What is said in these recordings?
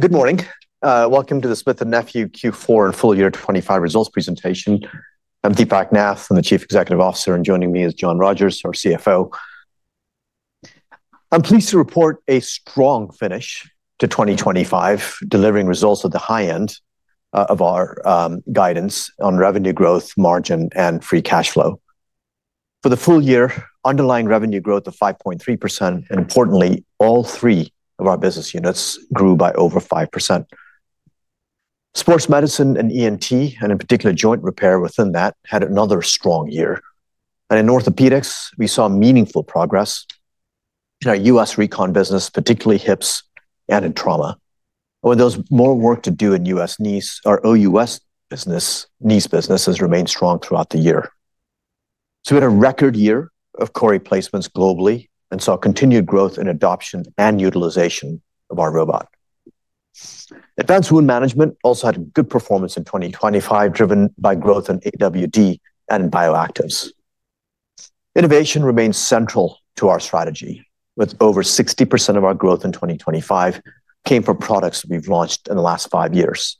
Good morning. Welcome to the Smith+Nephew Q4 and full year 2025 results presentation. I'm Deepak Nath. I'm the Chief Executive Officer, and joining me is John Rogers, our CFO. I'm pleased to report a strong finish to 2025, delivering results at the high end of our guidance on revenue growth, margin, and free cash flow. For the full year, underlying revenue growth of 5.3%. Importantly, all three of our business units grew by over 5%. Sports medicine and ENT, in particular joint repair within that, had another strong year. In Orthopedics, we saw meaningful progress in our U.S. recon business, particularly hips and in trauma. Although there was more work to do in U.S. knees, our OUS knees business has remained strong throughout the year. We had a record year of core replacements globally and saw continued growth in adoption and utilization of our robot. Advanced wound management also had good performance in 2025, driven by growth in AWD and C. Innovation remains central to our strategy. With over 60% of our growth in 2025 came from products we've launched in the last five years.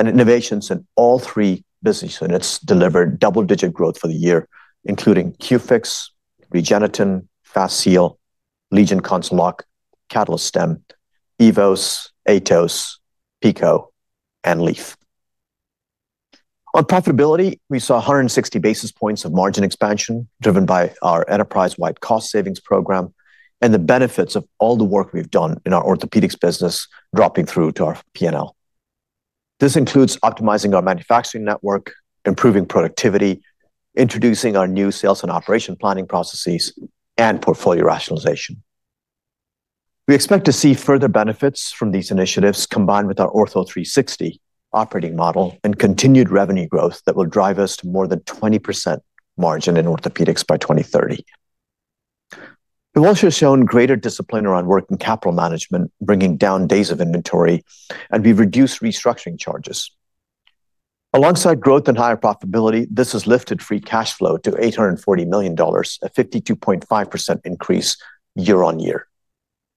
Innovations in all three business units delivered double-digit growth for the year, including Q-FIX, REGENETEN, FASTSEAL, LEGION CONCELOC, Catalyst Stem, EVOS, AETOS, PICO, and LEAF. On profitability, we saw 160 basis points of margin expansion driven by our enterprise-wide cost savings program and the benefits of all the work we've done in our Orthopedics business dropping through to our P&L. This includes optimizing our manufacturing network, improving productivity, introducing our new sales and operation planning processes, and portfolio rationalization. We expect to see further benefits from these initiatives combined with our Ortho360 operating model and continued revenue growth that will drive us to more than 20% margin in Orthopedics by 2030. We've also shown greater discipline around working capital management, bringing down days of Inventory, and we've reduced restructuring charges. Alongside growth and higher profitability, this has lifted free cash flow to $840 million, a 52.5% increase year-on-year.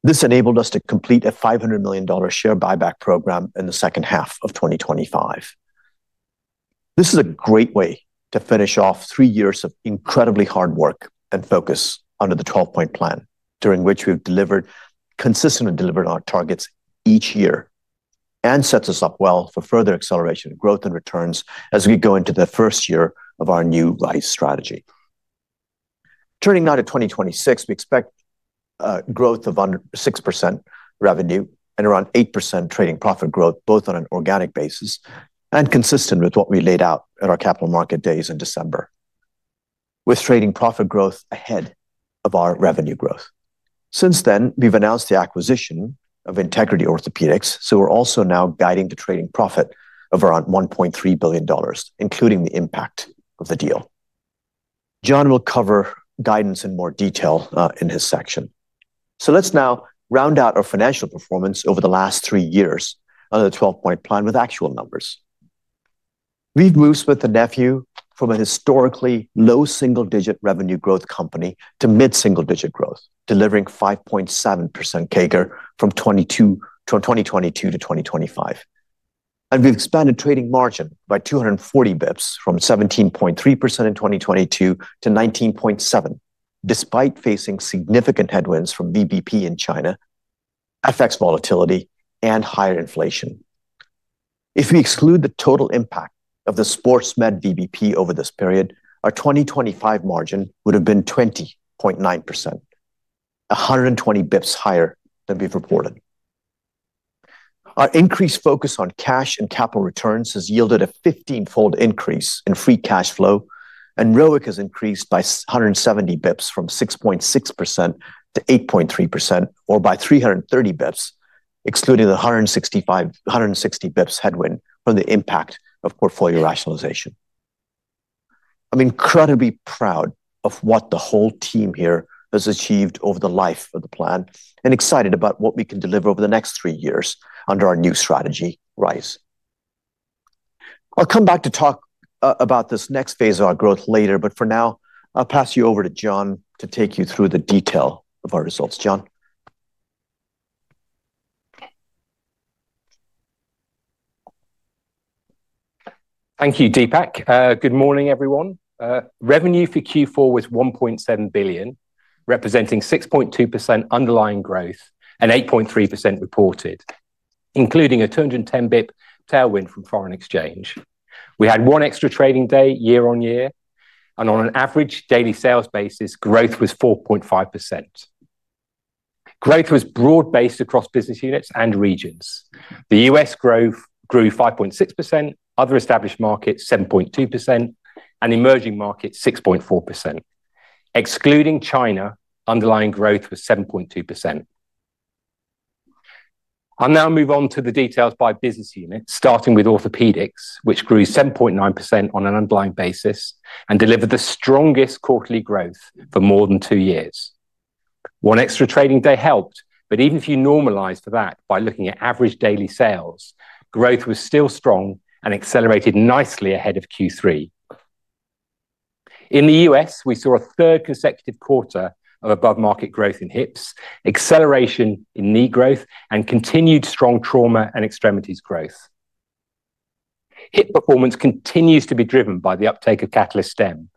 This enabled us to complete a $500 million share buyback program in the second half of 2025. This is a great way to finish off three years of incredibly hard work and focus under the 12-Point Plan, during which we've consistently delivered on targets each year and sets us up well for further acceleration of growth and returns as we go into the first year of our new RISE strategy. Turning now to 2026, we expect growth of under 6% revenue and around 8% trading profit growth, both on an organic basis and consistent with what we laid out at our capital market days in December, with trading profit growth ahead of our revenue growth. Since then, we've announced the acquisition of Integrity Orthopaedics, we're also now guiding the trading profit of around $1.3 billion, including the impact of the deal. John will cover guidance in more detail in his section. Let's now round out our financial performance over the last 3 years on the 12-Point Plan with actual numbers. We've moved Smith+Nephew from a historically low single-digit revenue growth company to mid single-digit growth, delivering 5.7% CAGR from 2022 to 2025. We've expanded trading margin by 240 basis points from 17.3% in 2022 to 19.7%, despite facing significant headwinds from VBP in China, FX volatility, and higher inflation. If we exclude the total impact of the sports med VBP over this period, our 2025 margin would have been 20.9%, 120 basis points higher than we've reported. Our increased focus on cash and capital returns has yielded a 15-fold increase in free cash flow, and ROIC has increased by 170 basis points from 6.6% to 8.3% or by 330 basis points, excluding the 160 basis points headwind from the impact of portfolio rationalization. I'm incredibly proud of what the whole team here has achieved over the life of the plan and excited about what we can deliver over the next three years under our new strategy, RISE. I'll come back to talk about this next phase of our growth later, but for now, I'll pass you over to John to take you through the detail of our results. John? Thank you, Deepak. Good morning, everyone. Revenue for Q4 was $1.7 billion, representing 6.2% underlying growth and 8.3% reported, including a 210 basis points tailwind from foreign exchange. We had one extra trading day year-on-year. On an average daily sales basis, growth was 4.5%. Growth was broad-based across business units and regions. The U.S. growth grew 5.6%, other established markets 7.2%, and emerging markets 6.4%. Excluding China, underlying growth was 7.2%. I'll now move on to the details by business unit, starting with Orthopedics, which grew 7.9% on an underlying basis and delivered the strongest quarterly growth for more than two years. One extra trading day helped, but even if you normalize for that by looking at average daily sales, growth was still strong and accelerated nicely ahead of Q3. In the U.S., we saw a third consecutive quarter of above-market growth in hips, acceleration in knee growth, and continued strong trauma and extremities growth. Hip performance continues to be driven by the uptake of Catalyst Stem,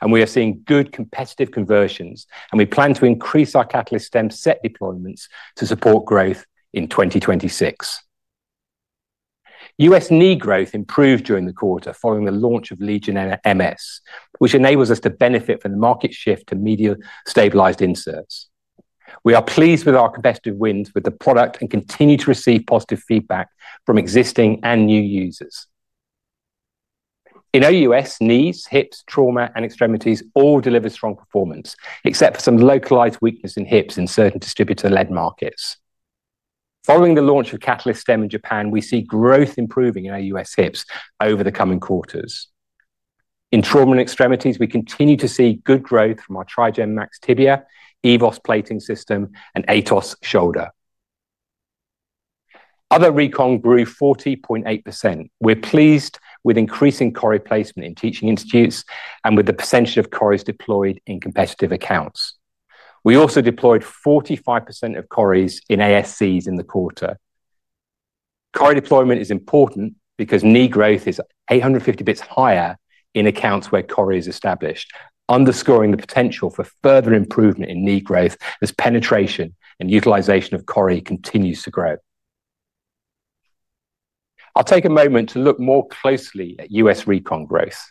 and we are seeing good competitive conversions, and we plan to increase our Catalyst Stem set deployments to support growth in 2026. U.S. knee growth improved during the quarter following the launch of LEGION MS, which enables us to benefit from the market shift to medial stabilized inserts. We are pleased with our competitive wins with the product and continue to receive positive feedback from existing and new users. In AUS, knees, hips, trauma, and extremities all deliver strong performance, except for some localized weakness in hips in certain distributor-led markets. Following the launch of Catalyst Stem in Japan, we see growth improving in AUS hips over the coming quarters. In trauma and extremities, we continue to see good growth from our TRIGEN MAX Tibia, EVOS plating system, and AETOS shoulder. Other recon grew 40.8%. We're pleased with increasing CORI placement in teaching institutes and with the percentage of CORIs deployed in competitive accounts. We also deployed 45% of CORIs in ASCs in the quarter. CORI deployment is important because knee growth is 850 basis points higher in accounts where CORI is established, underscoring the potential for further improvement in knee growth as penetration and utilization of CORI continues to grow. I'll take a moment to look more closely at U.S. recon growth.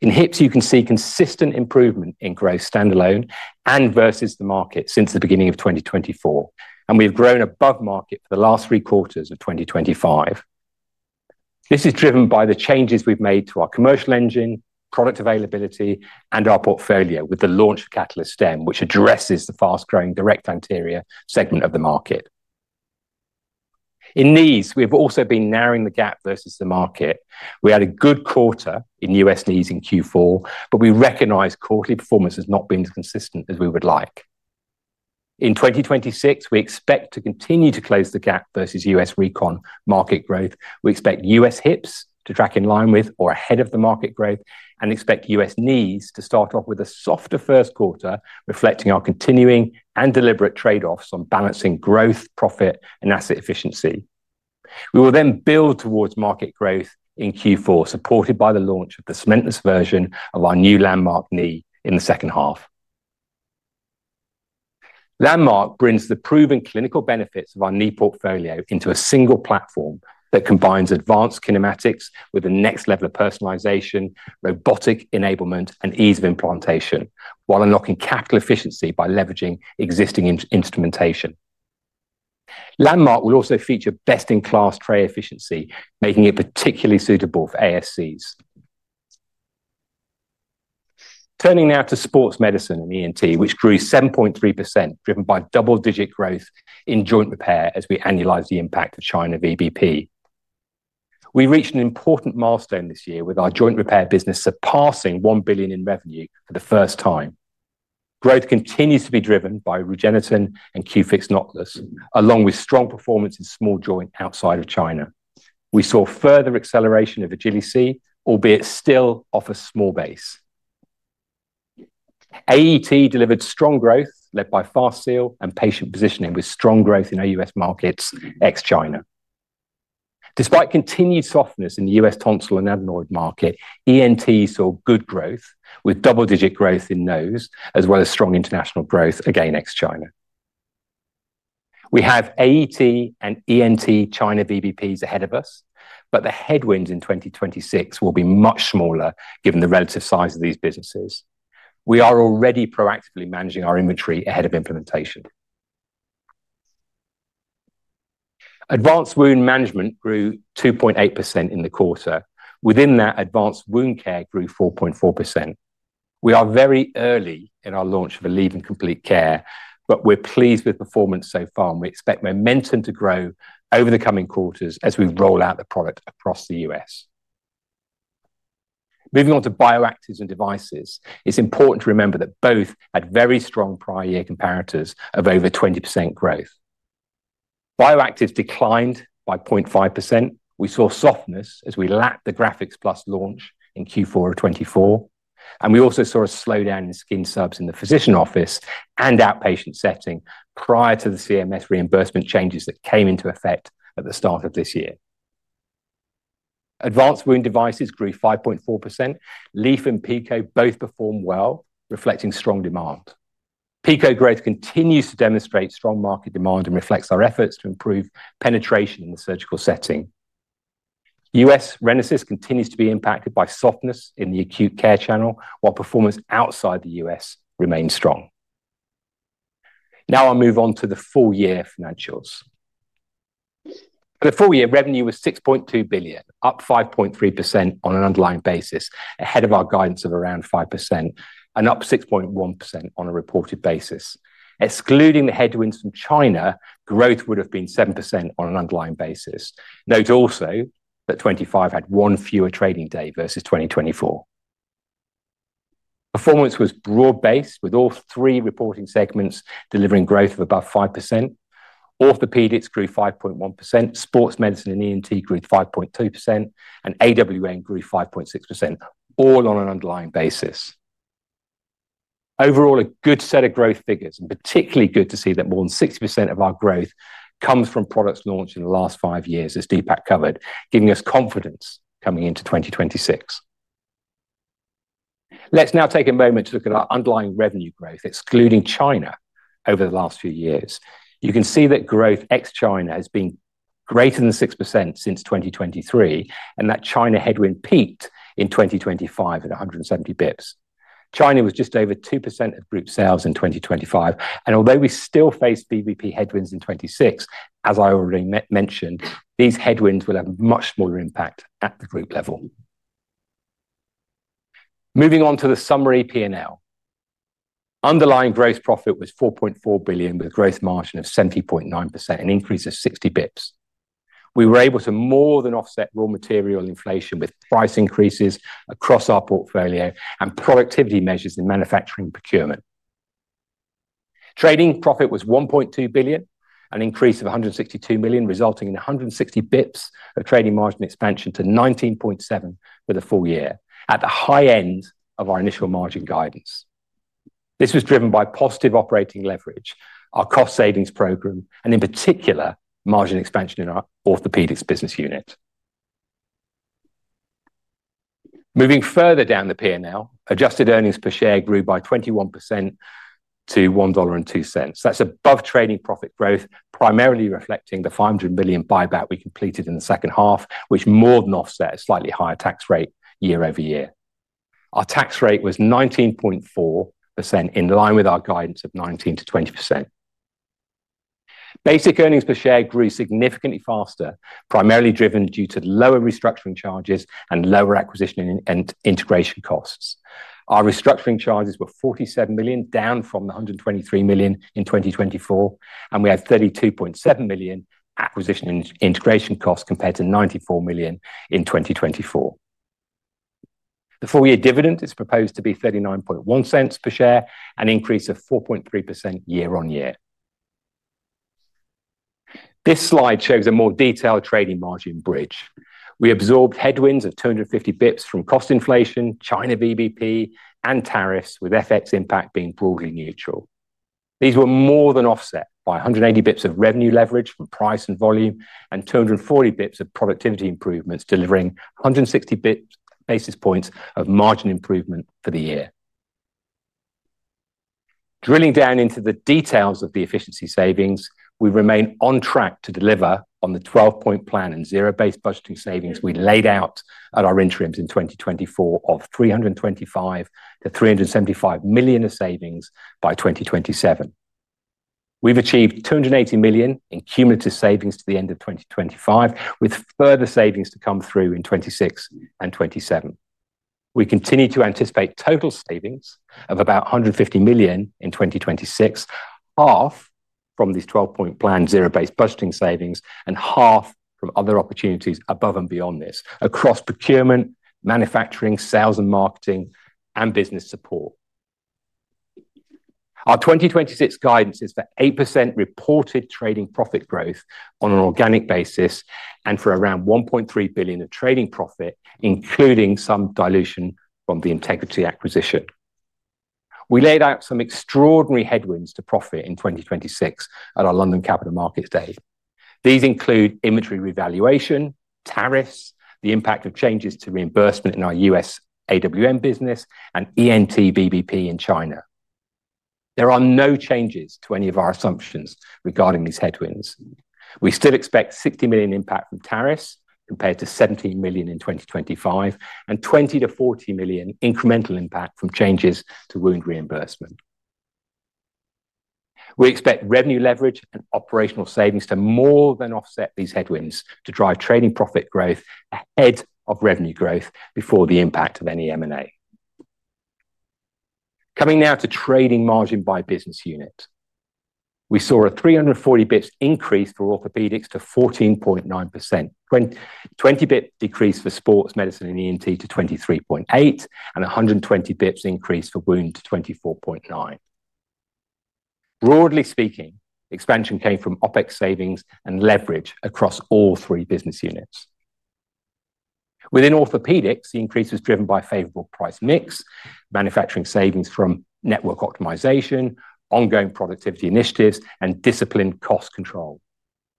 In hips, you can see consistent improvement in growth standalone and versus the market since the beginning of 2024, and we've grown above market for the last 3 quarters of 2025. This is driven by the changes we've made to our commercial engine, product availability, and our portfolio with the launch of Catalyst Stem, which addresses the fast-growing direct anterior segment of the market. In knees, we have also been narrowing the gap versus the market. We had a good quarter in U.S. knees in Q4, but we recognize quarterly performance has not been as consistent as we would like. In 2026, we expect to continue to close the gap versus U.S. recon market growth. We expect U.S. hips to track in line with or ahead of the market growth and expect U.S. knees to start off with a softer first quarter, reflecting our continuing and deliberate trade-offs on balancing growth, profit, and asset efficiency. We will build towards market growth in Q4, supported by the launch of the cementless version of our new LANDMARK knee in the second half. LANDMARK brings the proven clinical benefits of our knee portfolio into a single platform that combines advanced kinematics with the next level of personalization, robotic enablement, and ease of implantation while unlocking capital efficiency by leveraging existing in-instrumentation. LANDMARK will also feature best-in-class tray efficiency, making it particularly suitable for ASCs. Turning now to sports medicine and ENT, which grew 7.3%, driven by double-digit growth in joint repair as we annualize the impact of China VBP. We reached an important milestone this year with our joint repair business surpassing $1 billion in revenue for the first time. Growth continues to be driven by REGENETEN and Q-FIX Noctlus, along with strong performance in small joint outside of China. We saw further acceleration of Agility, albeit still off a small base. AET delivered strong growth led by FASTSEAL and patient positioning with strong growth in our U.S. markets ex-China. Despite continued softness in the U.S. tonsil and adenoid market, ENT saw good growth with double-digit growth in nose as well as strong international growth, again ex-China. We have AET and ENT China VBPs ahead of us, but the headwinds in 2026 will be much smaller given the relative size of these businesses. We are already proactively managing our Inventory ahead of implementation. Advanced Wound Management grew 2.8% in the quarter. Within that, Advanced Wound Care grew 4.4%. We are very early in our launch of ALLEVYN Complete Care, we're pleased with performance so far, and we expect momentum to grow over the coming quarters as we roll out the product across the U.S. Moving on to Bioactives and Devices. It's important to remember that both had very strong prior year comparators of over 20% growth. Bioactives declined by 0.5%. We saw softness as we lapped the GRAFIX launch in Q4 of 2024, we also saw a slowdown in skin subs in the physician office and outpatient setting prior to the CMS reimbursement changes that came into effect at the start of this year. Advanced Wound Devices grew 5.4%. LEAF and PICO both performed well, reflecting strong demand. PICO growth continues to demonstrate strong market demand and reflects our efforts to improve penetration in the surgical setting. U.S. RENASYS continues to be impacted by softness in the acute care channel, while performance outside the U.S. remains strong. I'll move on to the full-year financials. For the full year, revenue was $6.2 billion, up 5.3% on an underlying basis, ahead of our guidance of around 5% and up 6.1% on a reported basis. Excluding the headwinds from China, growth would have been 7% on an underlying basis. Note also that 2025 had one fewer trading day versus 2024. Performance was broad-based, with all three reporting segments delivering growth of above 5%. Orthopedics grew 5.1%. Sports medicine and ENT grew 5.2%, and AWM grew 5.6%, all on an underlying basis. Overall, a good set of growth figures, and particularly good to see that more than 60% of our growth comes from products launched in the last 5 years, as Deepak covered, giving us confidence coming into 2026. Let's now take a moment to look at our underlying revenue growth, excluding China over the last few years. You can see that growth ex China has been greater than 6% since 2023, and that China headwind peaked in 2025 at 170 basis points. China was just over 2% of group sales in 2025, and although we still face VBP headwinds in 2026, as I already mentioned, these headwinds will have much smaller impact at the group level. Moving on to the summary P&L. Underlying gross profit was $4.4 billion with a gross margin of 70.9%, an increase of 60 basis points. We were able to more than offset raw material inflation with price increases across our portfolio and productivity measures in manufacturing procurement. Trading profit was $1.2 billion, an increase of $162 million, resulting in 160 basis points of trading margin expansion to 19.7% for the full year at the high end of our initial margin guidance. This was driven by positive operating leverage, our cost savings program, and in particular, margin expansion in our Orthopedics business unit. Moving further down the P&L, adjusted earnings per share grew by 21% to $1.02. That's above trading profit growth, primarily reflecting the $500 million buyback we completed in the second half, which more than offset a slightly higher tax rate year-over-year. Our tax rate was 19.4%, in line with our guidance of 19%-20%. Basic earnings per share grew significantly faster, primarily driven due to lower restructuring charges and lower acquisition and integration costs. Our restructuring charges were $47 million, down from the $123 million in 2024, and we had $32.7 million acquisition and integration costs compared to $94 million in 2024. The full year dividend is proposed to be $0.391 per share, an increase of 4.3% year-on-year. This slide shows a more detailed trading margin bridge. We absorbed headwinds of 250 basis points from cost inflation, China VBP, and tariffs, with FX impact being broadly neutral. These were more than offset by 180 basis points of revenue leverage from price and volume and 240 basis points of productivity improvements, delivering 160 basis points of margin improvement for the year. Drilling down into the details of the efficiency savings, we remain on track to deliver on the 12-Point Plan and zero-based budgeting savings we laid out at our interims in 2024 of $325 million-$375 million of savings by 2027. We've achieved $280 million in cumulative savings to the end of 2025, with further savings to come through in 2026 and 2027. We continue to anticipate total savings of about $150 million in 2026, half from these 12-Point Plan zero-based budgeting savings and half from other opportunities above and beyond this across procurement, manufacturing, sales and marketing, and business support. Our 2026 guidance is for 8% reported trading profit growth on an organic basis and for around $1.3 billion of trading profit, including some dilution from the Integrity acquisition. We laid out some extraordinary headwinds to profit in 2026 at our London Capital Markets Day. These include Inventory revaluation, tariffs, the impact of changes to reimbursement in our U.S. AWM business, and ENT VBP in China. There are no changes to any of our assumptions regarding these headwinds. We still expect $60 million impact from tariffs, compared to $17 million in 2025, and $20 million-$40 million incremental impact from changes to Wound reimbursement. We expect revenue leverage and operational savings to more than offset these headwinds to drive trading profit growth ahead of revenue growth before the impact of any M&A. Coming now to trading margin by business unit. We saw a 340 basis points increase for Orthopedics to 14.9%. 20 basis points decrease for Sports Medicine and ENT to 23.8%, and 120 basis points increase for Wound to 24.9%. Broadly speaking, expansion came from OpEx savings and leverage across all three business units. Within Orthopedics, the increase was driven by favorable price mix, manufacturing savings from Network Optimization, Ongoing Productivity Initiatives, and Disciplined Cost Control.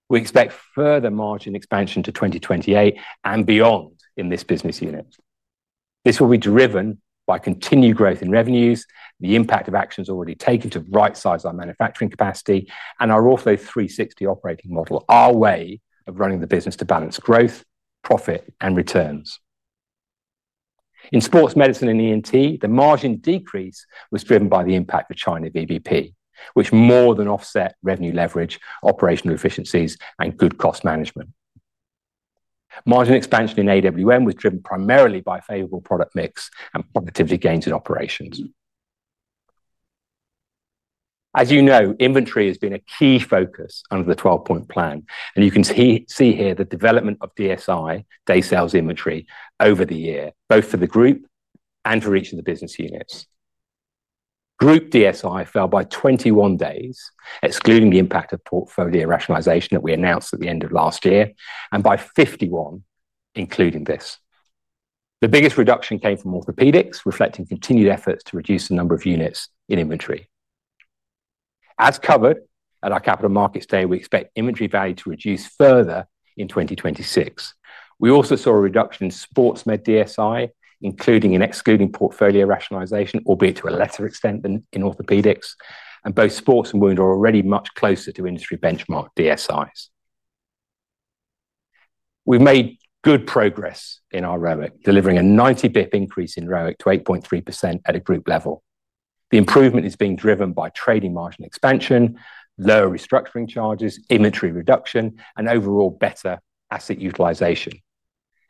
We expect further margin expansion to 2028 and beyond in this business unit. This will be driven by continued growth in revenues, the impact of actions already taken to rightsize our manufacturing capacity, and our Ortho360 operating model, our way of running the business to balance growth, profit, and returns. In sports medicine and ENT, the margin decrease was driven by the impact of China VBP, which more than offset revenue leverage, operational efficiencies, and good cost management. Margin expansion in AWM was driven primarily by favorable product mix and productivity gains in operations. As you know, Inventory has been a key focus under the 12-Point Plan, and you can see here the development of DSI, day sales Inventory, over the year, both for the group and for each of the business units. Group DSI fell by 21 days, excluding the impact of portfolio rationalization that we announced at the end of last year, and by 51, including this. The biggest reduction came from Orthopedics, reflecting continued efforts to reduce the number of units in Inventory. As covered at our Capital Markets Day, we expect Inventory value to reduce further in 2026. We also saw a reduction in sports med DSI, including and excluding portfolio rationalization, albeit to a lesser extent than in Orthopedics, and both sports and wound are already much closer to industry benchmark DSIs. We've made good progress in our ROIC, delivering a 90 bip increase in ROIC to 8.3% at a group level. The improvement is being driven by trading margin expansion, lower restructuring charges, Inventory reduction, and overall better asset utilization.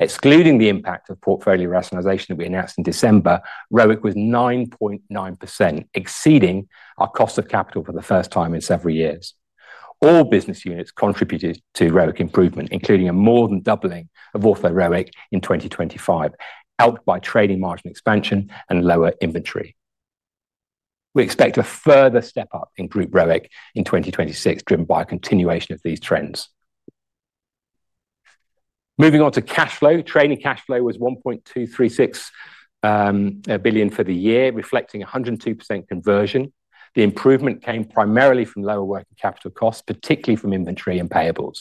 Excluding the impact of portfolio rationalization that we announced in December, ROIC was 9.9%, exceeding our cost of capital for the first time in several years. All business units contributed to ROIC improvement, including a more than doubling of ortho ROIC in 2025, helped by trading margin expansion and lower Inventory. We expect a further step-up in group ROIC in 2026, driven by a continuation of these trends. Moving on to cash flow. Trading cash flow was $1.236 billion for the year, reflecting 102% conversion. The improvement came primarily from lower working capital costs, particularly from Inventory and payables.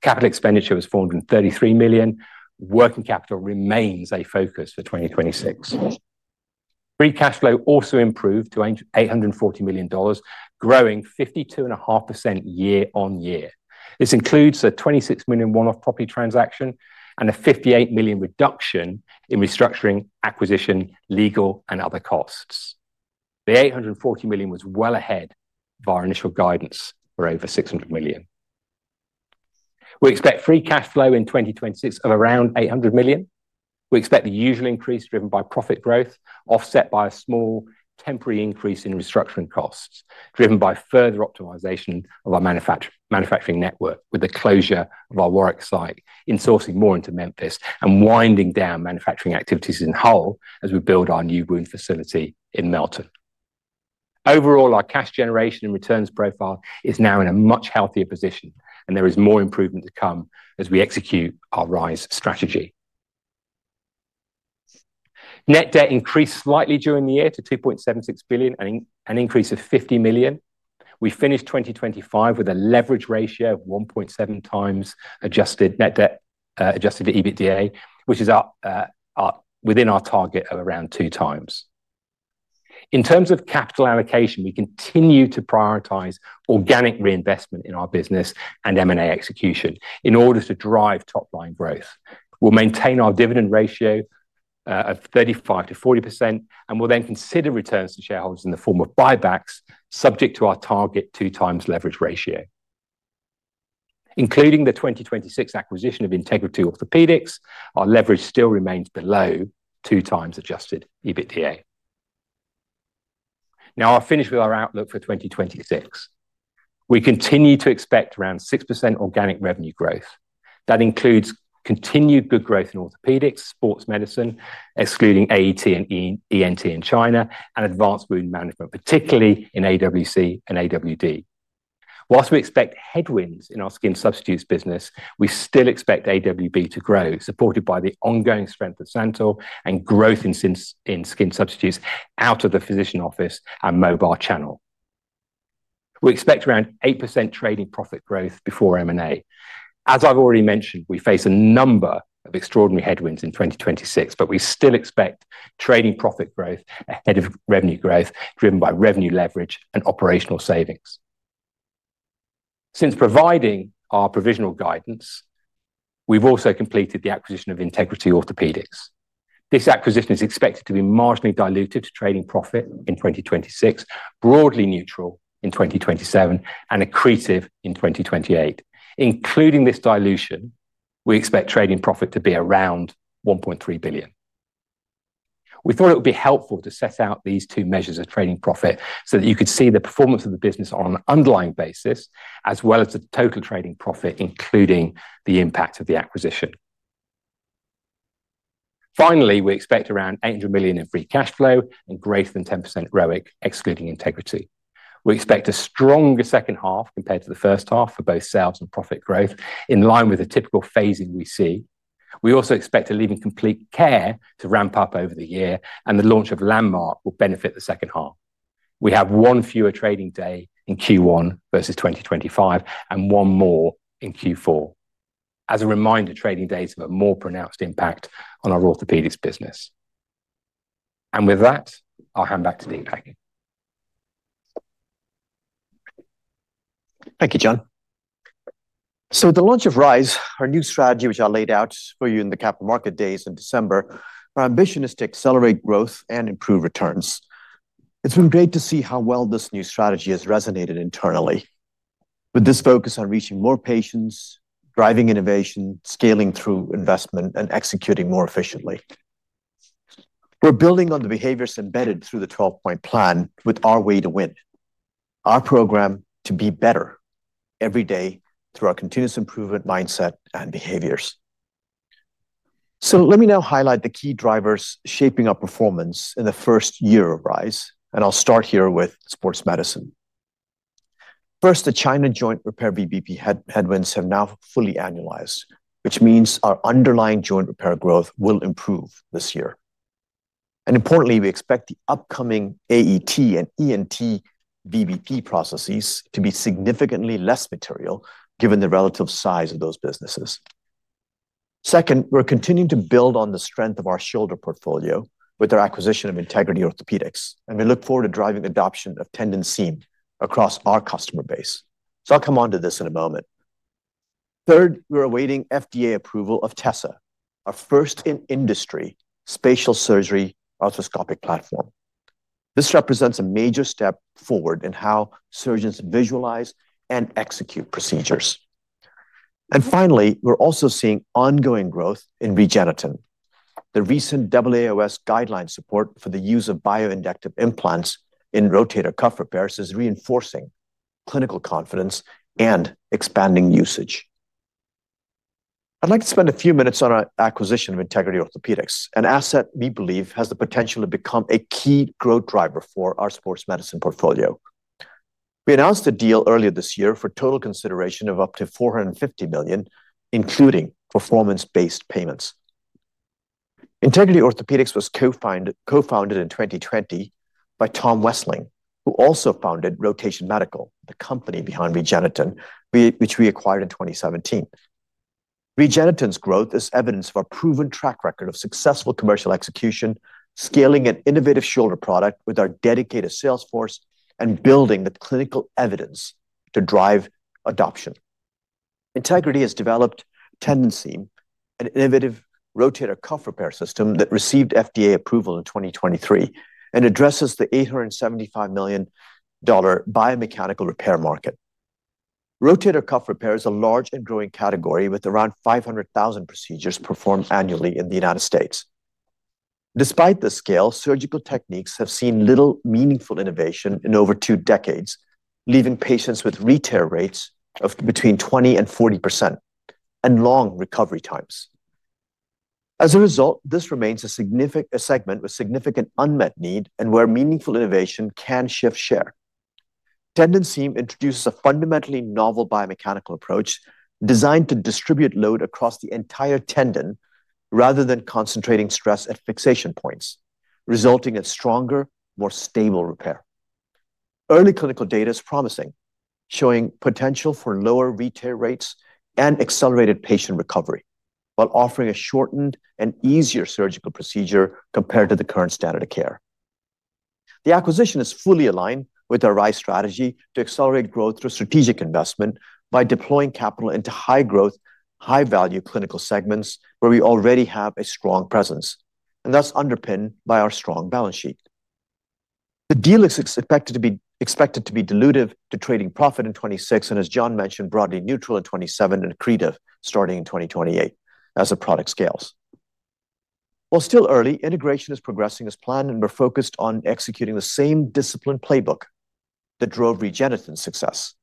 Capital expenditure was $433 million. Working capital remains a focus for 2026. Free cash flow also improved to $840 million, growing 52.5% year-over-year. This includes a $26 million one-off property transaction and a $58 million reduction in restructuring, acquisition, legal, and other costs. The $840 million was well ahead of our initial guidance for over $600 million. We expect free cash flow in 2026 of around $800 million. We expect the usual increase driven by profit growth, offset by a small temporary increase in restructuring costs, driven by further optimization of our manufacturing network with the closure of our Warwick site, insourcing more into Memphis and winding down manufacturing activities in Hull as we build our new wound facility in Melton. Overall, our cash generation and returns profile is now in a much healthier position, and there is more improvement to come as we execute our RISE strategy. Net debt increased slightly during the year to $2.76 billion, an increase of $50 million. We finished 2025 with a leverage ratio of 1.7x adjusted net debt, adjusted to EBITDA, which is within our target of around 2x. In terms of capital allocation, we continue to prioritize organic reinvestment in our business and M&A execution in order to drive top-line growth. We'll maintain our dividend ratio of 35%-40%, and we'll then consider returns to shareholders in the form of buybacks subject to our target 2x leverage ratio. Including the 2026 acquisition of Integrity Orthopaedics, our leverage still remains below 2x Adjusted EBITDA. Now I'll finish with our outlook for 2026. We continue to expect around 6% organic revenue growth. That includes continued good growth in Orthopedics, sports medicine, excluding AET and ENT in China, and Advanced Wound Management, particularly in AWC and AWD. Whilst we expect headwinds in our skin substitutes business, we still expect AWB to grow, supported by the ongoing strength of SANTYL and growth in skin substitutes out of the physician office and mobile channel. We expect around 8% trading profit growth before M&A. As I've already mentioned, we face a number of extraordinary headwinds in 2026, but we still expect trading profit growth ahead of revenue growth, driven by revenue leverage and operational savings. Since providing our provisional guidance, we've also completed the acquisition of Integrity Orthopaedics. This acquisition is expected to be marginally diluted to trading profit in 2026, broadly neutral in 2027, and accretive in 2028. Including this dilution, we expect trading profit to be around $1.3 billion. We thought it would be helpful to set out these two measures of trading profit so that you could see the performance of the business on an underlying basis as well as the total trading profit, including the impact of the acquisition. Finally, we expect around $800 million in free cash flow and greater than 10% ROIC excluding Integrity. We expect a stronger second half compared to the first half for both sales and profit growth in line with the typical phasing we see. We also expect a leading complete care to ramp up over the year, the launch of LANDMARK will benefit the second half. We have one fewer trading day in Q1 versus 2025 and one more in Q4. As a reminder, trading days have a more pronounced impact on our orthopaedics business. With that, I'll hand back to Dave Hackett. Thank you, John. With the launch of RISE, our new strategy which I laid out for you in the capital market days in December, our ambition is to accelerate growth and improve returns. It's been great to see how well this new strategy has resonated internally. With this focus on reaching more patients, driving innovation, scaling through investment, and executing more efficiently. We're building on the behaviors embedded through the 12-Point Plan with our Way to Win, our program to be better every day through our continuous improvement mindset and behaviors. Let me now highlight the key drivers shaping our performance in the first year of RISE, and I'll start here with sports medicine. First, the China joint repair VBP headwinds have now fully annualized, which means our underlying joint repair growth will improve this year. Importantly, we expect the upcoming AET and ENT VBP processes to be significantly less material given the relative size of those businesses. Second, we're continuing to build on the strength of our shoulder portfolio with our acquisition of Integrity Orthopaedics, and we look forward to driving adoption of TENDINSEAM across our customer base. I'll come on to this in a moment. Third, we're awaiting FDA approval of TESSA, our first in industry spatial surgery arthroscopic platform. This represents a major step forward in how surgeons visualize and execute procedures. Finally, we're also seeing ongoing growth in REGENETEN. The recent AAOS guideline support for the use of Bioinductive implants in rotator cuff repairs is reinforcing clinical confidence and expanding usage. I'd like to spend a few minutes on our acquisition of Integrity Orthopaedics, an asset we believe has the potential to become a key growth driver for our sports medicine portfolio. We announced the deal earlier this year for total consideration of up to $450 million, including performance-based payments. Integrity Orthopaedics was co-founded in 2020 by Tom Wessling, who also founded Rotation Medical, the company behind REGENETEN, which we acquired in 2017. REGENETEN's growth is evidence of a proven track record of successful commercial execution, scaling an innovative shoulder product with our dedicated sales force, and building the clinical evidence to drive adoption. Integrity has developed TENDINSEAM, an innovative rotator cuff repair system that received FDA approval in 2023 and addresses the $875 million biomechanical repair market. Rotator cuff repair is a large and growing category with around 500,000 procedures performed annually in the United States. Despite the scale, surgical techniques have seen little meaningful innovation in over two decades, leaving patients with re-tear rates of between 20% and 40% and long recovery times. As a result, this remains a segment with significant unmet need and where meaningful innovation can shift share. TENDINSEAM introduces a fundamentally novel biomechanical approach designed to distribute load across the entire tendon rather than concentrating stress at fixation points, resulting in stronger, more stable repair. Early clinical data is promising, showing potential for lower re-tear rates and accelerated patient recovery while offering a shortened and easier surgical procedure compared to the current standard of care. The acquisition is fully aligned with our RISE strategy to accelerate growth through strategic investment by deploying capital into high growth, high value clinical segments where we already have a strong presence, that's underpinned by our strong balance sheet. The deal is expected to be dilutive to trading profit in 26, as John mentioned, broadly neutral in 27 and accretive starting in 2028 as the product scales. While still early, integration is progressing as planned, we're focused on executing the same disciplined playbook that drove REGENETEN's success.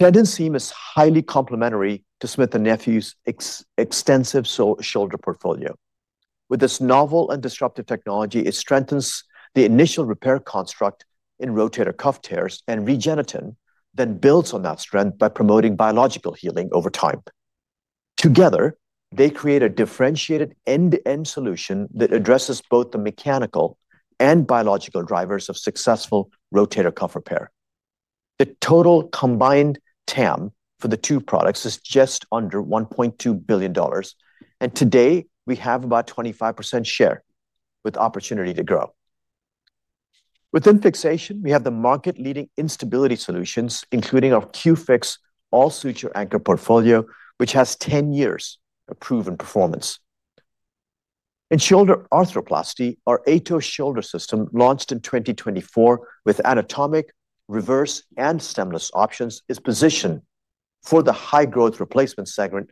TENDINSEAMis highly complementary to Smith+Nephew's extensive shoulder portfolio. With this novel and disruptive technology, it strengthens the initial repair construct in rotator cuff tears, REGENETEN then builds on that strength by promoting biological healing over time. Together, they create a differentiated end-to-end solution that addresses both the mechanical and biological drivers of successful rotator cuff repair. The total combined TAM for the two products is just under $1.2 billion. Today we have about 25% share with opportunity to grow. Within fixation, we have the market leading instability solutions, including our Q-FIX all suture anchor portfolio, which has ten years of proven performance. In shoulder arthroplasty, our AETOS Shoulder System, launched in 2024 with anatomic, reverse, and stemless options, is positioned for the high growth replacement segment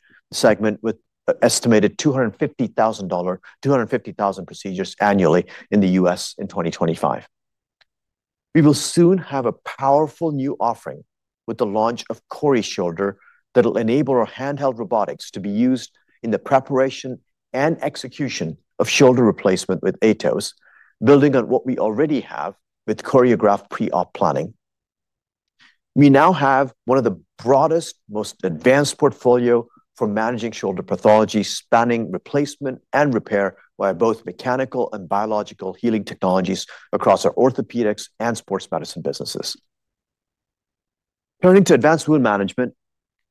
with estimated 250,000 procedures annually in the U.S. in 2025. We will soon have a powerful new offering with the launch of CORI Shoulder that'll enable our handheld robotics to be used in the preparation and execution of shoulder replacement with AETOS, building on what we already have with CORIOGRAPH pre-op planning. We now have one of the broadest, most advanced portfolio for managing shoulder pathology, spanning replacement and repair via both mechanical and biological healing technologies across our Orthopedics and sports medicine businesses. Turning to advanced wound management.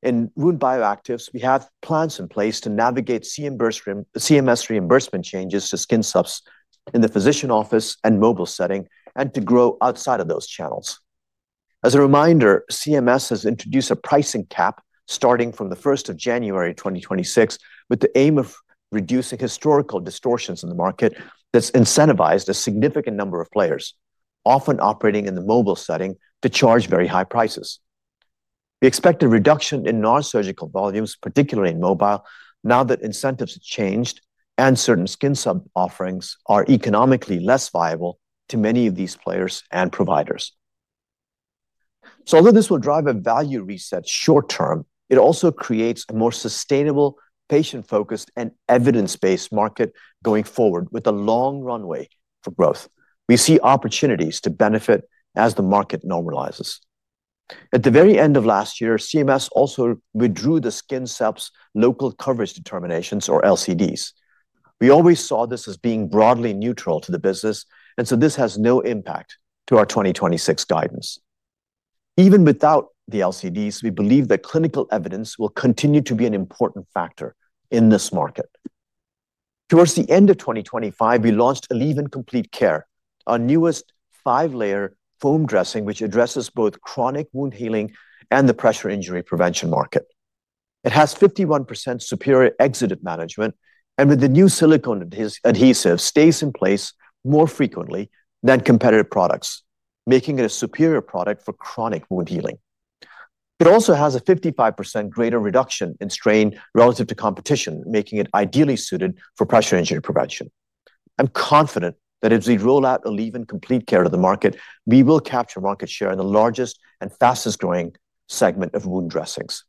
In wound Bioactives, we have plans in place to navigate CMS reimbursement changes to skin subs in the physician office and mobile setting and to grow outside of those channels. As a reminder, CMS has introduced a pricing cap starting from the first of January 2026, with the aim of reducing historical distortions in the market that's incentivized a significant number of players, often operating in the mobile setting, to charge very high prices. We expect a reduction in non-surgical volumes, particularly in mobile, now that incentives have changed and certain skin sub offerings are economically less viable to many of these players and providers. Although this will drive a value reset short term, it also creates a more sustainable, patient-focused, and evidence-based market going forward with a long runway for growth. We see opportunities to benefit as the market normalizes. At the very end of last year, CMS also withdrew the skin substitutes local coverage determinations or LCDs. We always saw this as being broadly neutral to the business. This has no impact to our 2026 guidance. Even without the LCDs, we believe that clinical evidence will continue to be an important factor in this market. Towards the end of 2025, we launched ALLEVYN Complete Care, our newest five-layer foam dressing, which addresses both chronic wound healing and the pressure injury prevention market. It has 51% superior exudate management, and with the new silicone adhesive, stays in place more frequently than competitive products, making it a superior product for chronic wound healing. It also has a 55% greater reduction in strain relative to competition, making it ideally suited for pressure injury prevention. I'm confident that as we roll out ALLEVYN Complete Care to the market, we will capture market share in the largest and fastest-growing segment of wound dressings.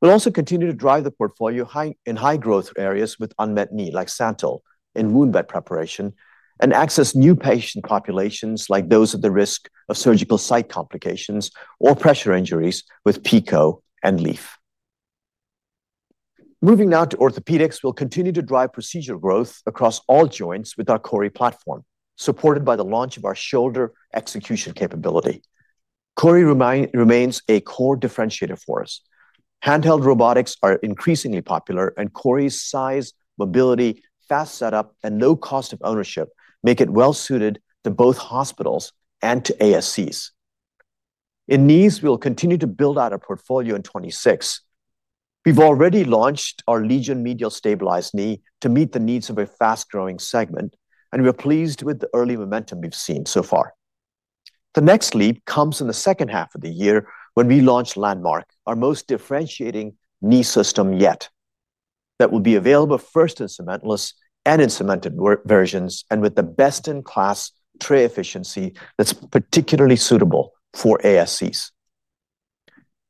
We'll also continue to drive the portfolio in high growth areas with unmet need, like SANTYL in wound bed preparation, and access new patient populations like those at the risk of surgical site complications or pressure injuries with PICO and LEAF. Moving now to Orthopedics, we'll continue to drive procedure growth across all joints with our CORI platform, supported by the launch of our shoulder execution capability. CORI remains a core differentiator for us. Handheld robotics are increasingly popular, and CORI's size, mobility, fast setup, and low cost of ownership make it well suited to both hospitals and to ASCs. In knees, we'll continue to build out a portfolio in 26. We've already launched our LEGION Medial Stabilized Knee to meet the needs of a fast-growing segment, and we are pleased with the early momentum we've seen so far. The next leap comes in the second half of the year when we launch Landmark, our most differentiating knee system yet. That will be available first in cementless and in cemented versions and with the best-in-class tray efficiency that's particularly suitable for ASCs.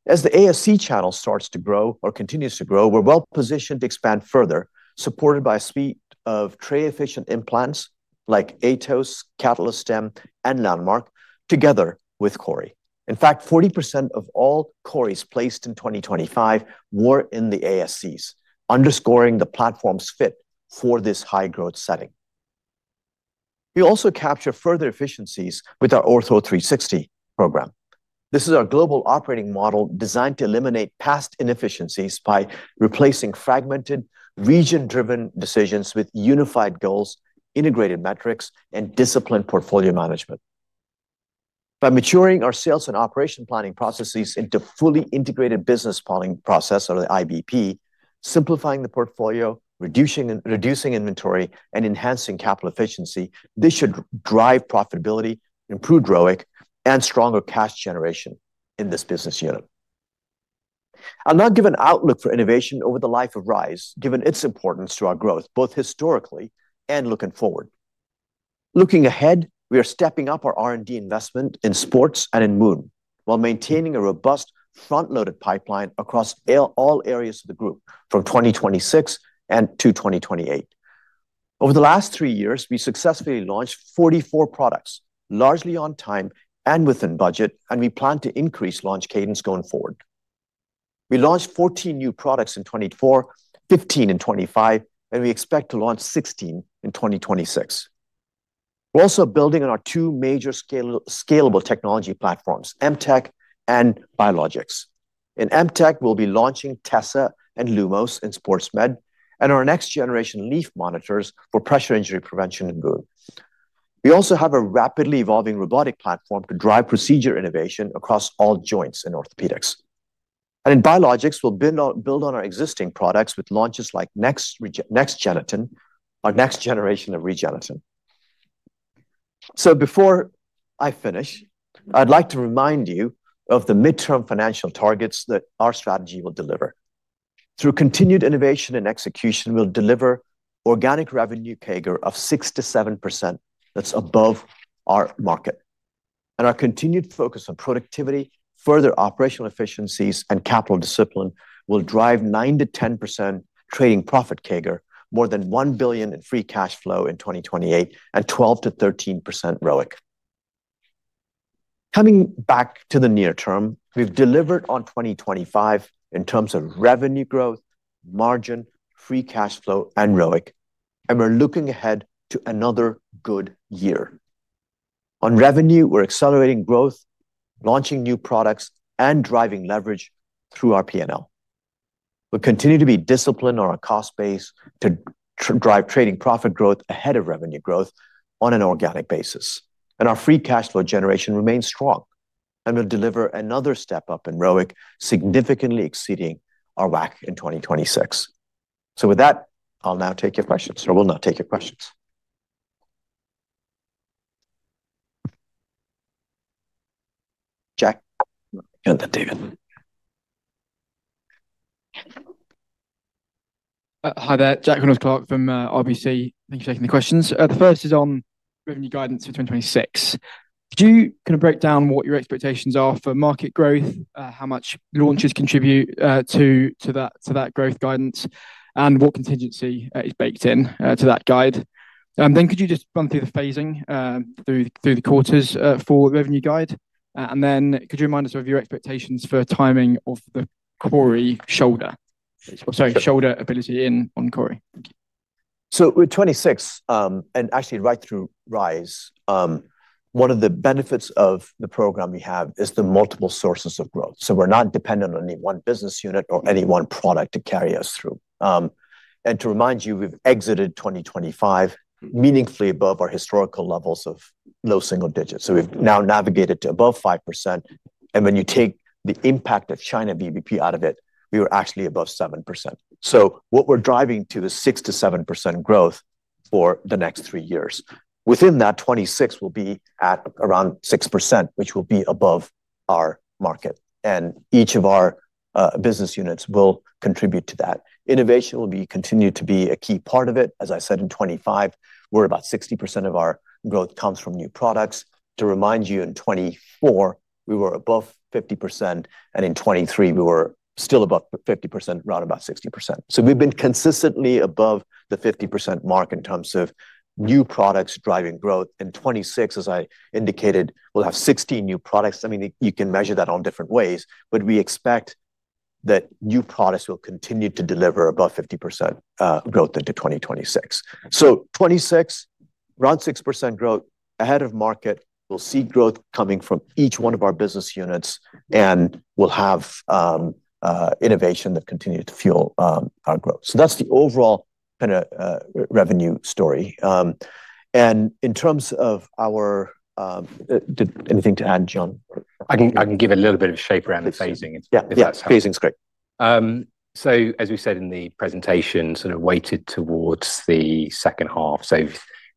As the ASC channel starts to grow or continues to grow, we're well positioned to expand further, supported by a suite of tray-efficient implants like AETOS, Catalyst Stem, and Landmark together with CORI. In fact, 40% of all CORIs placed in 2025 were in the ASCs, underscoring the platform's fit for this high-growth setting. We also capture further efficiencies with our Ortho360 program. This is our global operating model designed to eliminate past inefficiencies by replacing fragmented region-driven decisions with unified goals, integrated metrics, and disciplined portfolio management. By maturing our sales and operation planning processes into fully integrated business planning process or IBP, simplifying the portfolio, reducing Inventory, and enhancing capital efficiency, this should drive profitability, improve ROIC, and stronger cash generation in this business unit. I'll now give an outlook for innovation over the life of RISE, given its importance to our growth, both historically and looking forward. Looking ahead, we are stepping up our R&D investment in sports and in wound, while maintaining a robust front-loaded pipeline across all areas of the group from 2026 and to 2028. Over the last three years, we successfully launched 44 products, largely on time and within budget, and we plan to increase launch cadence going forward. We launched 14 new products in 2024, 15 in 2025, and we expect to launch 16 in 2026. We're also building on our two major scalable technology platforms, MedTech and Biologics. In MedTech, we'll be launching TESSA and LUMOS in sports med and our next generation LEAF monitors for pressure injury prevention in wound. We also have a rapidly evolving robotic platform to drive procedure innovation across all joints in Orthopedics. In Biologics, we'll build on our existing products with launches like next REGENETEN, our next generation of REGENETEN. Before I finish, I'd like to remind you of the midterm financial targets that our strategy will deliver. Through continued innovation and execution, we'll deliver organic revenue CAGR of 6%-7% that's above our market. Our continued focus on productivity, further operational efficiencies, and capital discipline will drive 9%-10% trading profit CAGR, more than $1 billion in free cash flow in 2028, and 12%-13% ROIC. Coming back to the near term, we've delivered on 2025 in terms of revenue growth, margin, free cash flow, and ROIC, and we're looking ahead to another good year. On revenue, we're accelerating growth, launching new products, and driving leverage through our P&L. We continue to be disciplined on our cost base to drive trading profit growth ahead of revenue growth on an organic basis. Our free cash flow generation remains strong and will deliver another step-up in ROIC, significantly exceeding our WACC in 2026. With that, I'll now take your questions, or will now take your questions. Jack. Got that, Deepak. Hi there, Jack Reynolds-Clarke from RBC. Thank you for taking the questions. The first is on revenue guidance for 2026. Could you kinda break down what your expectations are for market growth, how much launches contribute to that growth guidance, and what contingency is baked in to that guide? Then could you just run through the phasing through the quarters for revenue guide? Could you remind us of your expectations for timing of the CORI Shoulder? Sorry, shoulder ability in, on CORI. Thank you. With 2026, actually right through RISE, one of the benefits of the program we have is the multiple sources of growth. We're not dependent on any one business unit or any one product to carry us through. To remind you, we've exited 2025 meaningfully above our historical levels of low single digits. We've now navigated to above 5%, and when you take the impact of China VBP out of it, we were actually above 7%. What we're driving to the 6%-7% growth for the next 3 years. Within that 2026 will be at around 6%, which will be above our market, and each of our business units will contribute to that. Innovation will continue to be a key part of it. As I said, in 2025, we're about 60% of our growth comes from new products. To remind you, in 2024, we were above 50%, and in 2023 we were still above 50%, around about 60%. We've been consistently above the 50% mark in terms of new products driving growth. In 2026, as I indicated, we'll have 60 new products. I mean, you can measure that on different ways, but we expect that new products will continue to deliver above 50% growth into 2026. 2026, around 6% growth. Ahead of market, we'll see growth coming from each one of our business units, and we'll have innovation that continue to fuel our growth. That's the overall kind of revenue story. And in terms of our... Anything to add, John? I can give a little bit of shape around the phasing if that's helpful. Yeah, yeah. Phasing's great. As we said in the presentation, sort of weighted towards the second half.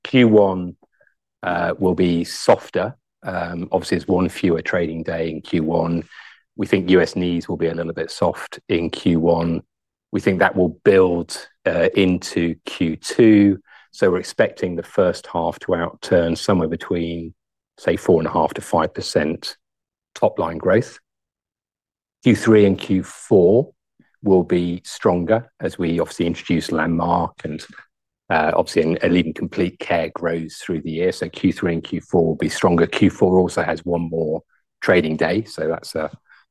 Q1 will be softer. Obviously there's one fewer trading day in Q1. We think U.S. knees will be a little bit soft in Q1. We think that will build into Q2. We're expecting the first half to outturn somewhere between, say, 4.5%-5% top line growth. Q3 and Q4 will be stronger as we obviously introduce Landmark and leading complete care grows through the year, Q3 and Q4 will be stronger. Q4 also has one more trading day, that's a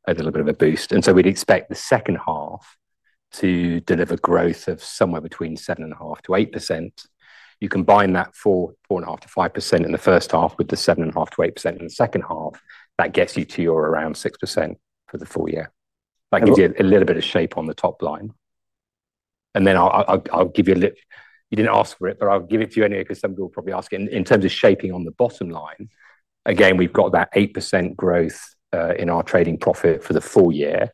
little bit of a boost. We'd expect the second half to deliver growth of somewhere between 7.5%-8%. You combine that 4.5%-5% in the first half with the 7.5%-8% in the second half, that gets you to your around 6% for the full year. That gives you a little bit of shape on the top line. I'll give you. You didn't ask for it, but I'll give it to you anyway 'cause some people will probably ask. In terms of shaping on the bottom line, again, we've got that 8% growth in our trading profit for the full year.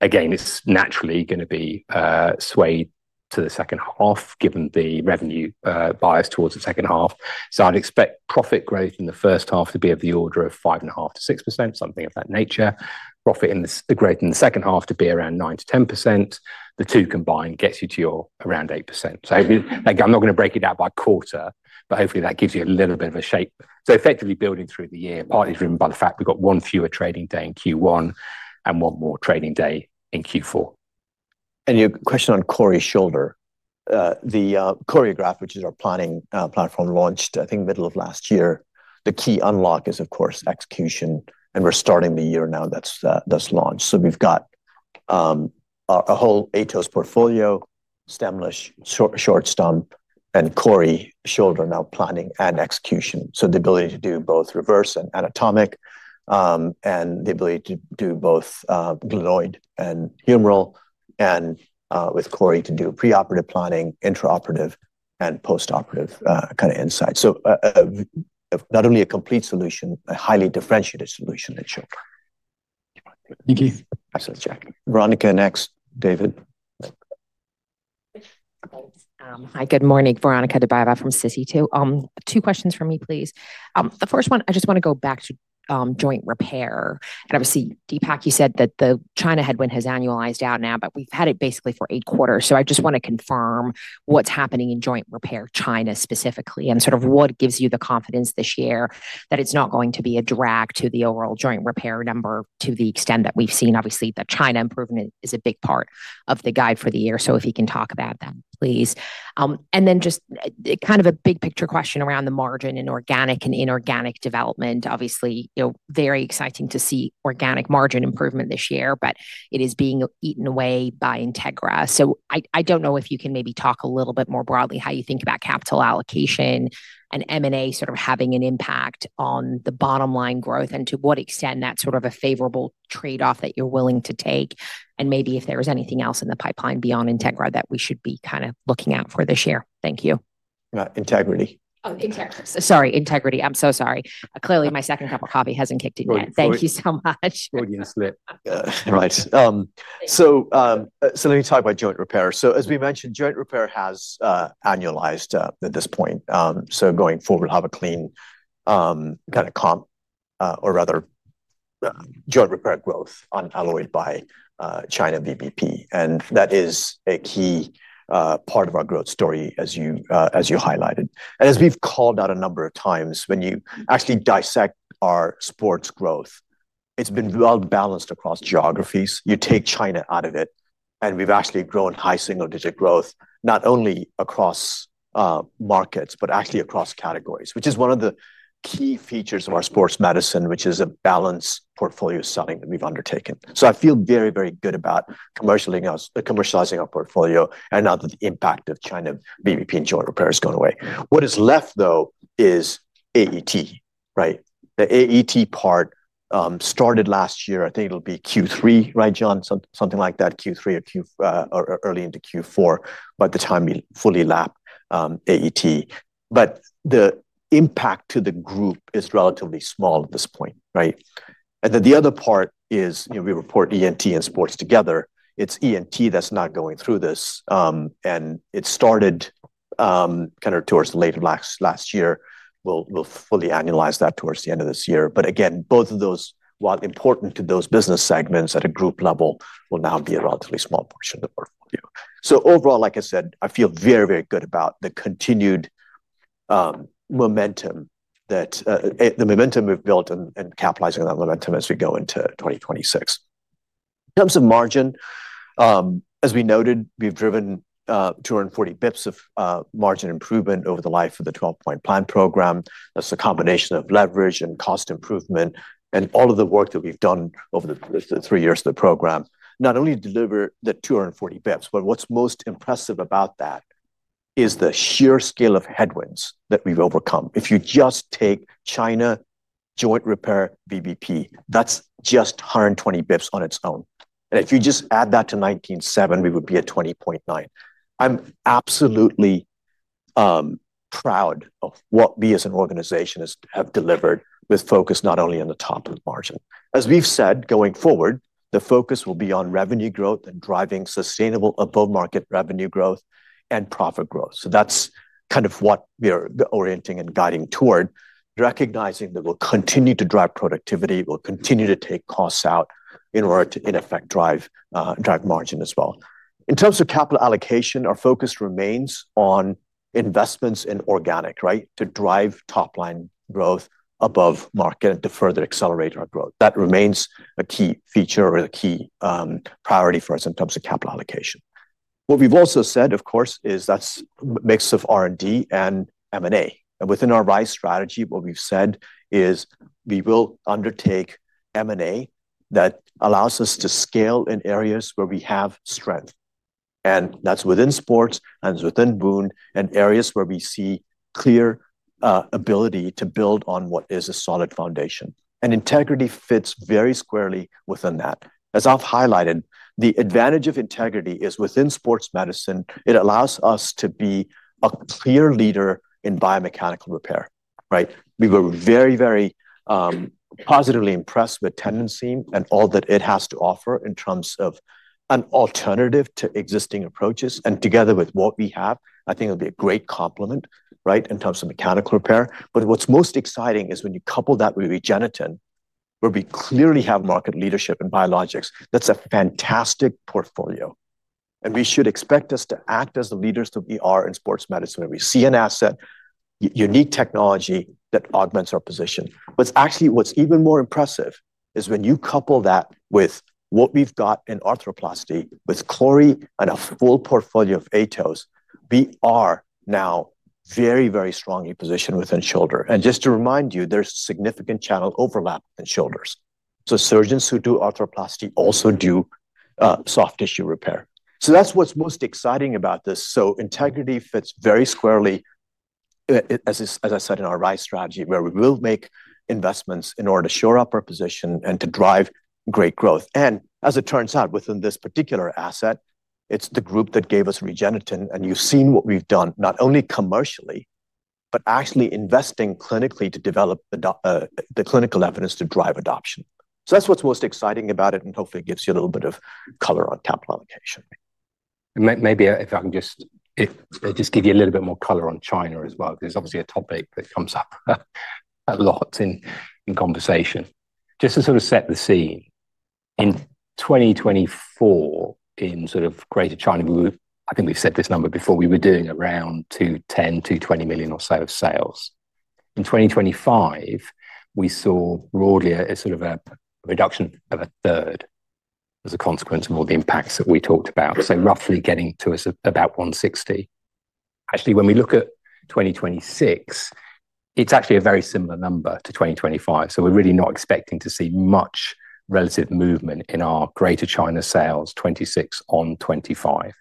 Again, it's naturally gonna be swayed to the second half given the revenue bias towards the second half. I'd expect profit growth in the first half to be of the order of 5.5%-6%, something of that nature. Profit growth in the second half to be around 9%-10%. The two combined gets you to your around 8%. Again, I'm not gonna break it down by quarter, but hopefully that gives you a little bit of a shape. Effectively building through the year, partly driven by the fact we've got one fewer trading day in Q1 and one more trading day in Q4. Your question on CORI Shoulder. The CORIOGRAPH, which is our planning platform, launched, I think middle of last year. The key unlock is, of course, execution, and we're starting the year now that's launched. We've got a whole AETOS portfolio, STEMI, Short Stomp, and CORI Shoulder now planning and execution. The ability to do both reverse and anatomic, and the ability to do both glenoid and humeral and with CORI to do preoperative planning, intraoperative and postoperative kind of insight. Not only a complete solution, a highly differentiated solution that showed. Thank you. Absolutely. Veronika next. David. Hi, good morning. Veronika Dubajova from Citi Two. Two questions from me, please. The first one, I just wanna go back to joint repair. Obviously, Deepak, you said that the China headwind has annualized out now, but we've had it basically for eight quarters. I just wanna confirm what's happening in joint repair China specifically, and sort of what gives you the confidence this year that it's not going to be a drag to the overall joint repair number to the extent that we've seen. The China improvement is a big part of the guide for the year. If you can talk about that, please. Then just kind of a big picture question around the margin in organic and inorganic development. Obviously, you know, very exciting to see organic margin improvement this year, but it is being eaten away by Integra. I don't know if you can maybe talk a little bit more broadly how you think about capital allocation and M&A sort of having an impact on the bottom line growth, and to what extent that's sort of a favorable trade-off that you're willing to take. Maybe if there is anything else in the pipeline beyond Integra that we should be kinda looking out for this year. Thank you. Integrity. Oh, Integra. Sorry, Integrity. I'm so sorry. Clearly, my second cup of coffee hasn't kicked in yet. Thank you so much. Freudian slip. Right. Let me talk about joint repair. As we mentioned, joint repair has annualized at this point. Going forward, have a clean comp or rather joint repair growth unalloyed by China VBP. That is a key part of our growth story as you highlighted. As we've called out a number of times, when you actually dissect our sports growth, it's been well balanced across geographies. You take China out of it. We've actually grown high single-digit growth, not only across markets, but actually across categories, which is one of the key features of our sports medicine, which is a balanced portfolio selling that we've undertaken. I feel very, very good about commercializing our portfolio and now that the impact of China VBP and joint repair has gone away. What is left though is AET, right? The AET part started last year. I think it'll be Q3, right, John? Something like that, Q3 or early into Q4 by the time we fully lap AET. The impact to the group is relatively small at this point, right? The other part is, you know, we report ENT and sports together. It's ENT that's not going through this, and it started kind of towards the later last year. We'll fully annualize that towards the end of this year. Again, both of those, while important to those business segments at a group level, will now be a relatively small portion of the portfolio. Overall, like I said, I feel very, very good about the continued momentum we've built and capitalizing that momentum as we go into 2026. In terms of margin, as we noted, we've driven 240 basis points of margin improvement over the life of the 12-Point Plan program. That's a combination of leverage and cost improvement and all of the work that we've done over the three years of the program. Not only deliver the 240 basis points, but what's most impressive about that is the sheer scale of headwinds that we've overcome. If you just take China joint repair VBP, that's just 120 basis points on its own. If you just add that to 19.7%, we would be at 20.9%. I'm absolutely proud of what we as an organization have delivered with focus not only on the top of margin. As we've said, going forward, the focus will be on revenue growth and driving sustainable above market revenue growth and profit growth. That's kind of what we're orienting and guiding toward, recognizing that we'll continue to drive productivity, we'll continue to take costs out in order to in effect drive drive margin as well. In terms of capital allocation, our focus remains on investments in organic, right? To drive top-line growth above market to further accelerate our growth. That remains a key feature or the key priority for us in terms of capital allocation. What we've also said, of course, is that's mix of R&D and M&A. Within our RISE strategy, what we've said is we will undertake M&A that allows us to scale in areas where we have strength. That's within sports and within wound and areas where we see clear ability to build on what is a solid foundation. Integrity fits very squarely within that. As I've highlighted, the advantage of Integrity is within sports medicine, it allows us to be a clear leader in biomechanical repair, right? We were very, very positively impressed with TENDINSEAMand all that it has to offer in terms of an alternative to existing approaches. Together with what we have, I think it'll be a great complement, right, in terms of mechanical repair. What's most exciting is when you couple that with REGENETEN, where we clearly have market leadership in biologics, that's a fantastic portfolio. We should expect us to act as the leaders that we are in sports medicine. We see an asset, unique technology that augments our position. What's actually even more impressive is when you couple that with what we've got in arthroplasty with CORI and a full portfolio of AETOS, we are now very strongly positioned within shoulder. Just to remind you, there's significant channel overlap in shoulders. Surgeons who do arthroplasty also do soft tissue repair. That's what's most exciting about this. Integrity fits very squarely, as I said, in our RISE strategy, where we will make investments in order to shore up our position and to drive great growth. As it turns out, within this particular asset, it's the group that gave us REGENETEN, you've seen what we've done, not only commercially, but actually investing clinically to develop the clinical evidence to drive adoption. That's what's most exciting about it, hopefully it gives you a little bit of color on capital allocation. Maybe if I can just, if I just give you a little bit more color on China as well, because it's obviously a topic that comes up a lot in conversation. Just to sort of set the scene, in 2024, in sort of greater China, we, I think we've said this number before, we were doing around $210 million-$220 million or so of sales. In 2025, we saw broadly a sort of a reduction of a third as a consequence of all the impacts that we talked about. Roughly getting to us at about $160 million. Actually, when we look at 2026, it's actually a very similar number to 2025. We're really not expecting to see much relative movement in our greater China sales, 2026 on 2025.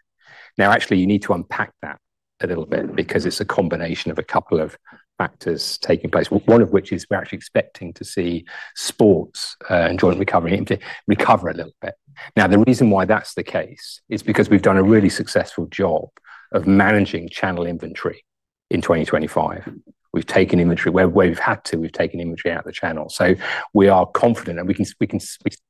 Now, actually, you need to unpack that a little bit because it's a combination of a couple of factors taking place, one of which is we're actually expecting to see sports and joint recovery to recover a little bit. Now, the reason why that's the case is because we've done a really successful job of managing channel Inventory in 2025. We've taken Inventory where we've had to, we've taken Inventory out of the channel. So we are confident, and we can,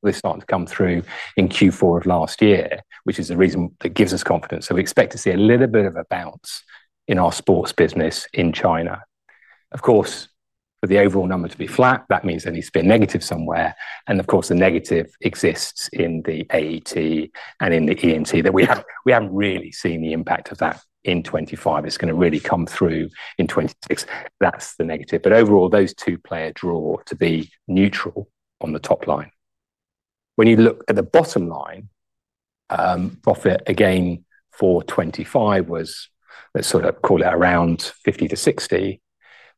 we're starting to come through in Q4 of last year, which is the reason that gives us confidence. So we expect to see a little bit of a bounce in our sports business in China. Of course, for the overall number to be flat, that means there needs to be a negative somewhere. Of course, the negative exists in the AET and in the ENT that we haven't really seen the impact of that in 25. It's going to really come through in 26. That's the negative. Overall, those two play a draw to be neutral on the top line. When you look at the bottom line, profit again for 25 was, let's sort of call it around $50 million-$60 million.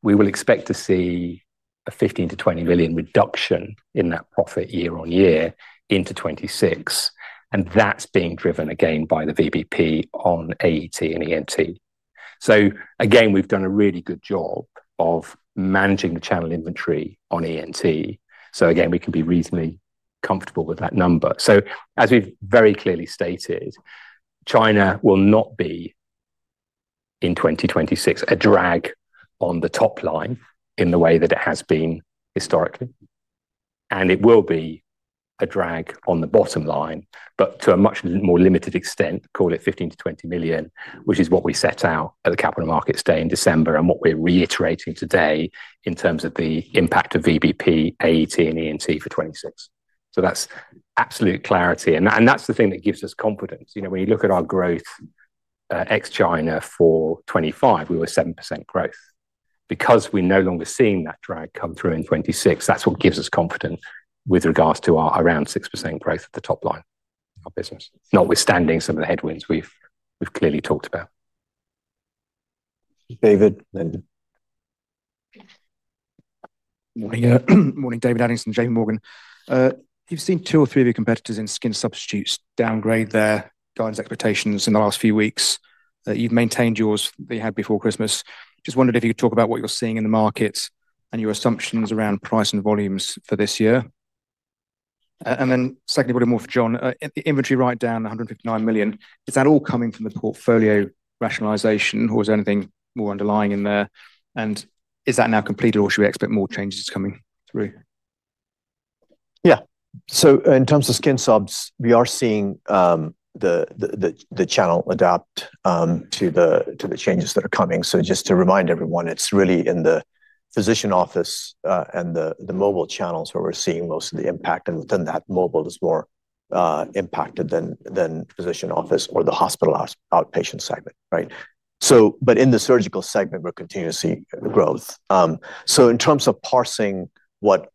We will expect to see a $15 million-$20 million reduction in that profit year-on-year into 26, that's being driven again by the VBP on AET and ENT. Again, we've done a really good job of managing the channel Inventory on ENT. Again, we can be reasonably comfortable with that number. As we've very clearly stated, China will not be in 2026 a drag on the top line in the way that it has been historically, and it will be a drag on the bottom line, but to a much more limited extent, call it $15 million-$20 million, which is what we set out at the capital markets day in December and what we're reiterating today in terms of the impact of VBP, AET, and ENT for 2026. That's absolute clarity and that's the thing that gives us confidence. You know, when you look at our growth, ex China for 2025, we were at 7% growth. We're no longer seeing that drag come through in 26, that's what gives us confidence with regards to our around 6% growth at the top line of business, notwithstanding some of the headwinds we've clearly talked about. David, Morning. Morning, David Adlington, JPMorgan. You've seen two or three of your competitors in skin substitutes downgrade their guidance expectations in the last few weeks, that you've maintained yours that you had before Christmas. Just wondered if you could talk about what you're seeing in the markets and your assumptions around price and volumes for this year? Secondly, probably more for John. At the Inventory write down, $159 million, is that all coming from the portfolio rationalization or is there anything more underlying in there? Is that now completed or should we expect more changes coming through? Yeah. In terms of skin subs, we are seeing the channel adapt to the changes that are coming. Just to remind everyone, it's really in the physician office and the mobile channels where we're seeing most of the impact, and within that mobile is more impacted than physician office or the hospital outpatient segment, right? In the surgical segment, we're continuing to see growth. In terms of parsing what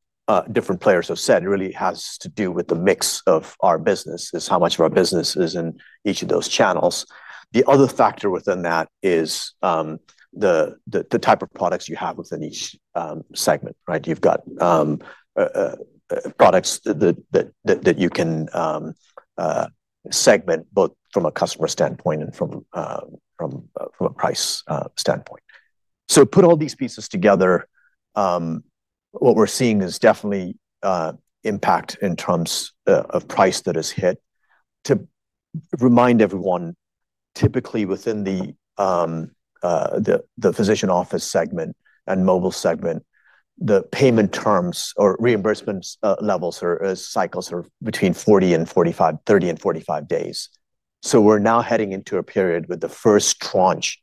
different players have said, it really has to do with the mix of our business. It's how much of our business is in each of those channels. The other factor within that is the type of products you have within each segment, right? You've got products that you can segment both from a customer standpoint and from a price standpoint. Put all these pieces together, what we're seeing is definitely impact in terms of price that has hit. To remind everyone, typically within the physician office segment and mobile segment, the payment terms or reimbursement levels or cycles are between 40 and 45, 30 and 45 days. We're now heading into a period where the first tranche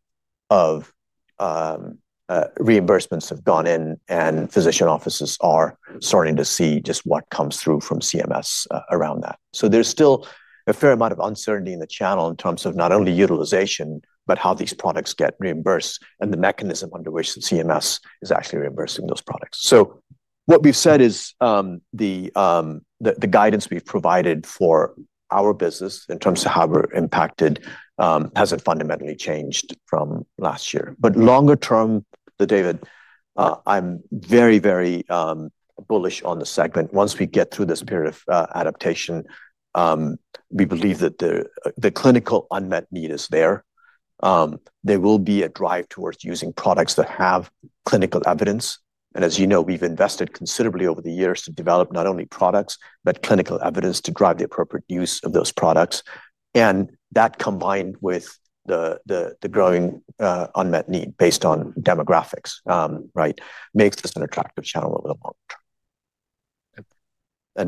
of reimbursements have gone in and physician offices are starting to see just what comes through from CMS around that. There's still a fair amount of uncertainty in the channel in terms of not only utilization, but how these products get reimbursed and the mechanism under which the CMS is actually reimbursing those products. What we've said is, the guidance we've provided for our business in terms of how we're impacted, hasn't fundamentally changed from last year. Longer term, David, I'm very, very bullish on the segment. Once we get through this period of adaptation, we believe that the clinical unmet need is there. There will be a drive towards using products that have clinical evidence. As you know, we've invested considerably over the years to develop not only products, but clinical evidence to drive the appropriate use of those products. That combined with the growing unmet need based on demographics, right, makes this an attractive channel over the long term.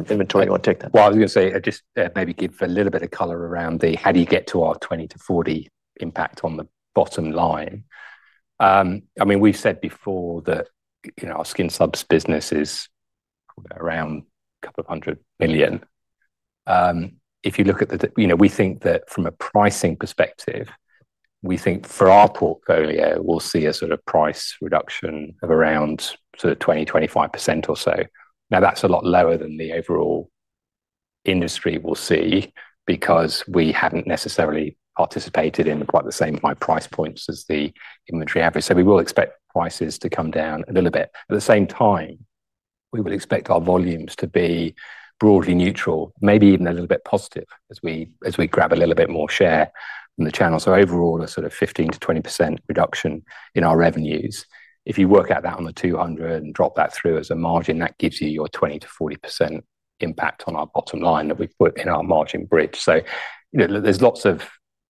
Inventory, you wanna take that? Well, I was gonna say, just maybe give a little bit of color around the how do you get to our $20-$40 impact on the bottom line. I mean, we've said before that, you know, our skin subs business is around $200 million. If you look at the, you know, we think that from a pricing perspective, we think for our portfolio, we'll see a sort of price reduction of around sort of 20%-25% or so. That's a lot lower than the overall industry will see because we haven't necessarily participated in quite the same high price points as the Inventory average. We will expect prices to come down a little bit. At the same time, we will expect our volumes to be broadly neutral, maybe even a little bit positive as we grab a little bit more share from the channel. Overall, a sort of 15%-20% reduction in our revenues. If you work out that on the $200 and drop that through as a margin, that gives you your 20%-40% impact on our bottom line that we've put in our margin bridge. You know, there's lots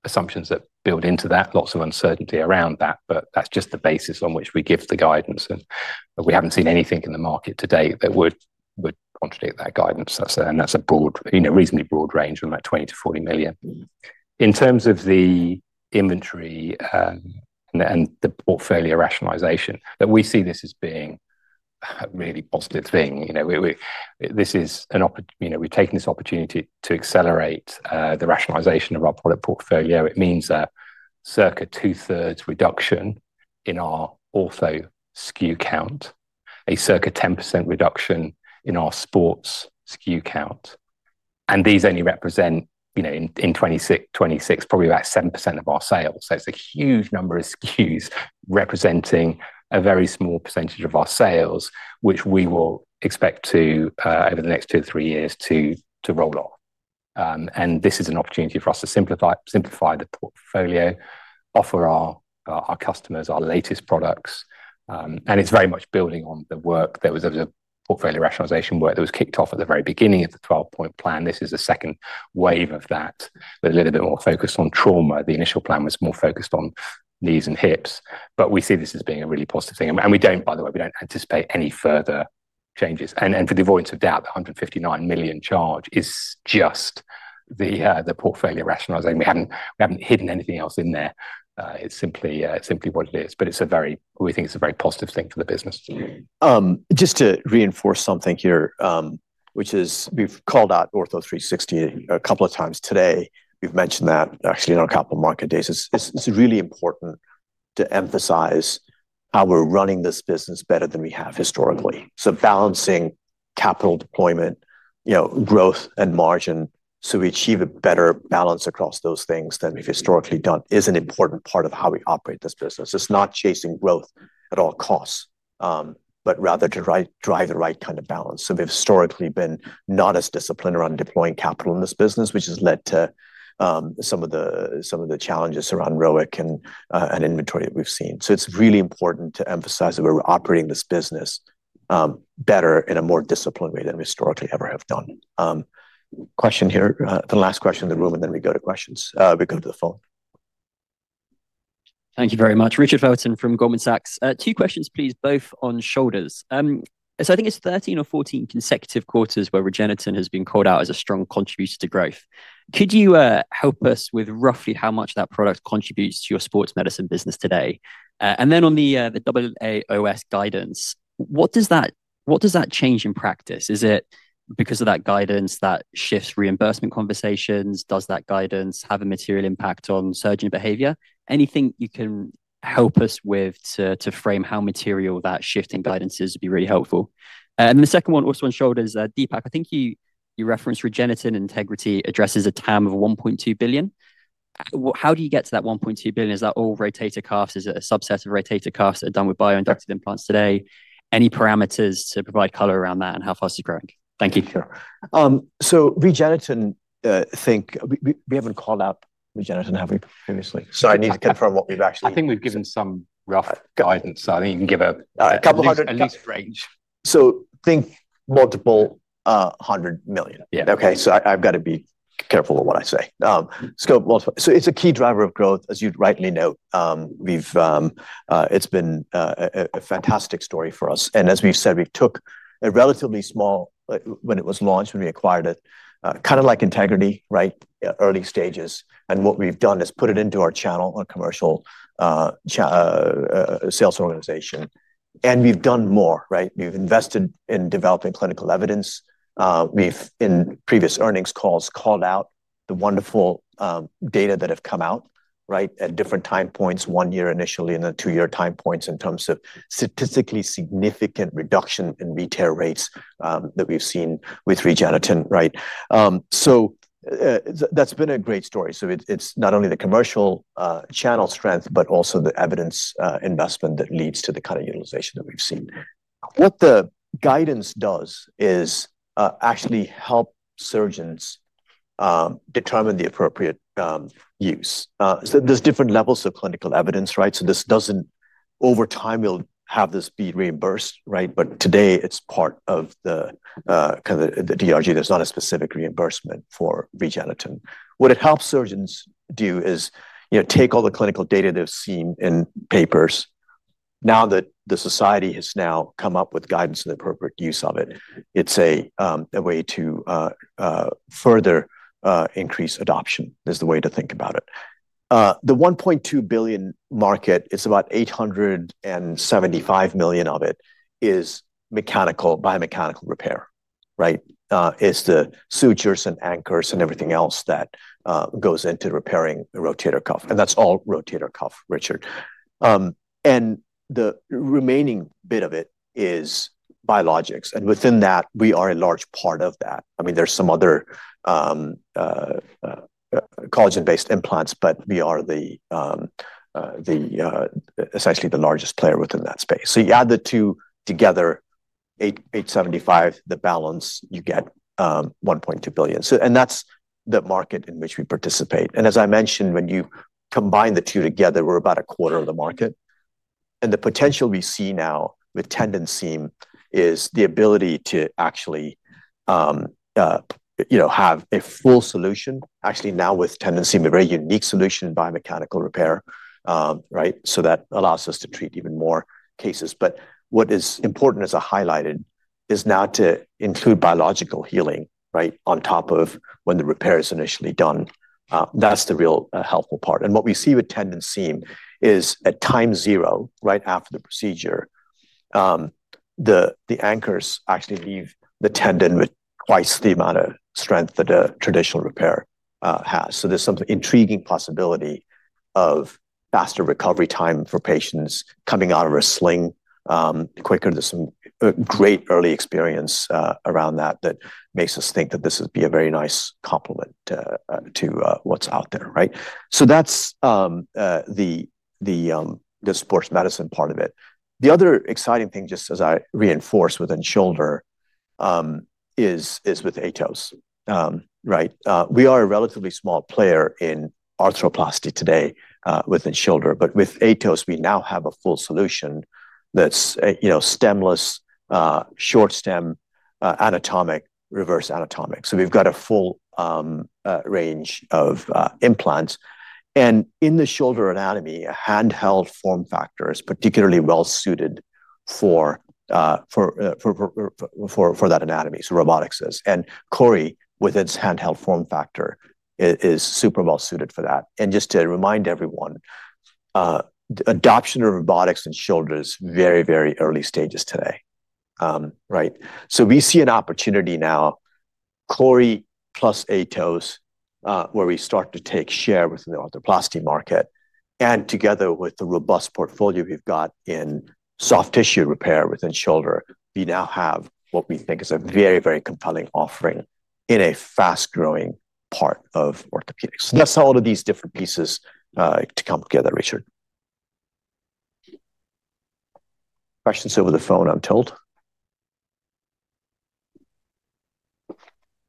of assumptions that build into that, lots of uncertainty around that, but that's just the basis on which we give the guidance. We haven't seen anything in the market to date that would contradict that guidance. That's a broad, you know, reasonably broad range from that $20 million-$40 million. In terms of the Inventory, and the portfolio rationalization, that we see this as being a really positive thing. You know, we're taking this opportunity to accelerate the rationalization of our product portfolio. It means that circa 2/3 reduction. In our Ortho SKU count, a circa 10% reduction in our Sports SKU count. These only represent, you know, in 2026, probably about 7% of our sales. It's a huge number of SKUs representing a very small percentage of our sales, which we will expect to over the next two to three years to roll off. This is an opportunity for us to simplify the portfolio, offer our customers our latest products. It's very much building on the work. There was a portfolio rationalization work that was kicked off at the very beginning of the 12-Point Plan. This is the second wave of that, a little bit more focused on trauma. The initial plan was more focused on knees and hips, we see this as being a really positive thing. We don't, by the way, we don't anticipate any further changes. For the avoidance of doubt, the $159 million charge is just the portfolio rationalizing. We haven't hidden anything else in there. It's simply what it is, but it's a very positive thing for the business. Just to reinforce something here, which is we've called out Ortho360 a couple of times today. We've mentioned that actually in our capital market days. It's really important to emphasize how we're running this business better than we have historically. Balancing capital deployment, you know, growth and margin so we achieve a better balance across those things than we've historically done is an important part of how we operate this business. It's not chasing growth at all costs, but rather to drive the right kind of balance. We've historically been not as disciplined around deploying capital in this business, which has led to some of the challenges around ROIC and Inventory that we've seen. It's really important to emphasize that we're operating this business better in a more disciplined way than we historically ever have done. Question here, the last question in the room, and then we go to questions, we go to the phone. Thank you very much. Richard Felton from Goldman Sachs. Two questions please, both on shoulders. I think it's 13 or 14 consecutive quarters where REGENETEN has been called out as a strong contributor to growth. Could you help us with roughly how much that product contributes to your sports medicine business today? Then on the AAOS guidance, what does that change in practice? Is it because of that guidance that shifts reimbursement conversations? Does that guidance have a material impact on surgeon behavior? Anything you can help us with to frame how material that shift in guidance is would be really helpful. The second one, also on shoulders, Deepak, I think you referenced REGENETEN Integrity Orthopaedics addresses a TAM of $1.2 billion. How do you get to that $1.2 billion? Is that all rotator cuffs? Is it a subset of rotator cuffs that are done with bioinductive implants today? Any parameters to provide color around that and how fast it's growing? Thank you. Sure. REGENETEN, I think... We haven't called out REGENETEN, have we, previously? I need to confirm what we've actually. I think we've given some rough guidance. $200. .At least range. Think multiple $100 million. Yeah. Okay. I've got to be careful of what I say. Multiple. It's a key driver of growth, as you rightly note. We've, it's been a fantastic story for us. As we've said, we took a relatively small, when it was launched, when we acquired it, kind of like Integrity Orthopaedics, right? Early stages. What we've done is put it into our channel, our commercial sales organization. We've done more, right? We've invested in developing clinical evidence. We've in previous earnings calls, called out the wonderful data that have come out, right, at different time points, one year initially, and then two-year time points in terms of statistically significant reduction in re-tear rates that we've seen with REGENETEN, right? That's been a great story. It's, it's not only the commercial channel strength, but also the evidence investment that leads to the kind of utilization that we've seen. The guidance does actually help surgeons determine the appropriate use. There's different levels of clinical evidence, right? Over time, we'll have this be reimbursed, right? Today it's part of the kind of the DRG. There's not a specific reimbursement for REGENETEN. It helps surgeons do is, you know, take all the clinical data they've seen in papers. Now that the society has now come up with guidance on the appropriate use of it's a way to further increase adoption, is the way to think about it. The $1.2 billion market, it's about $875 million of it is mechanical, biomechanical repair, right? It's the sutures and anchors and everything else that goes into repairing the rotator cuff. That's all rotator cuff, Richard. The remaining bit of it is biologics. Within that, we are a large part of that. I mean, there's some other collagen-based implants, but we are the essentially the largest player within that space. You add the two together, $875 million, the balance, you get, $1.2 billion. That's the market in which we participate. As I mentioned, when you combine the two together, we're about a quarter of the market. The potential we see now with TENDINSEAM is the ability to actually, you know, have a full solution. Actually now with TENDINSEAM, a very unique solution, biomechanical repair, right? That allows us to treat even more cases. What is important as I highlighted, is now to include biological healing, right, on top of when the repair is initially done. That's the real helpful part. What we see with TENDINSEAM is at time zero, right after the procedure, the anchors actually leave the tendon with twice the amount of strength that a traditional repair has. There's some intriguing possibility of faster recovery time for patients coming out of a sling, quicker. There's some great early experience around that that makes us think that this would be a very nice complement to what's out there, right? That's the sports medicine part of it. The other exciting thing, just as I reinforce within Shoulder, is with AETOS. We are a relatively small player in arthroplasty today, within Shoulder, but with AETOS, we now have a full solution that's, you know, stemless, short stem, anatomic, reverse anatomic. We've got a full range of implants. In the shoulder anatomy, a handheld form factor is particularly well suited for that anatomy. Robotics is. CORI, with its handheld form factor, is super well suited for that. Just to remind everyone, adoption of robotics in Shoulder is very early stages today. We see an opportunity now, CORI plus AETOS, where we start to take share within the arthroplasty market. Together with the robust portfolio we've got in soft tissue repair within shoulder, we now have what we think is a very, very compelling offering in a fast-growing part of Orthopedics. That's all of these different pieces to come together, Richard. Questions over the phone, I'm told.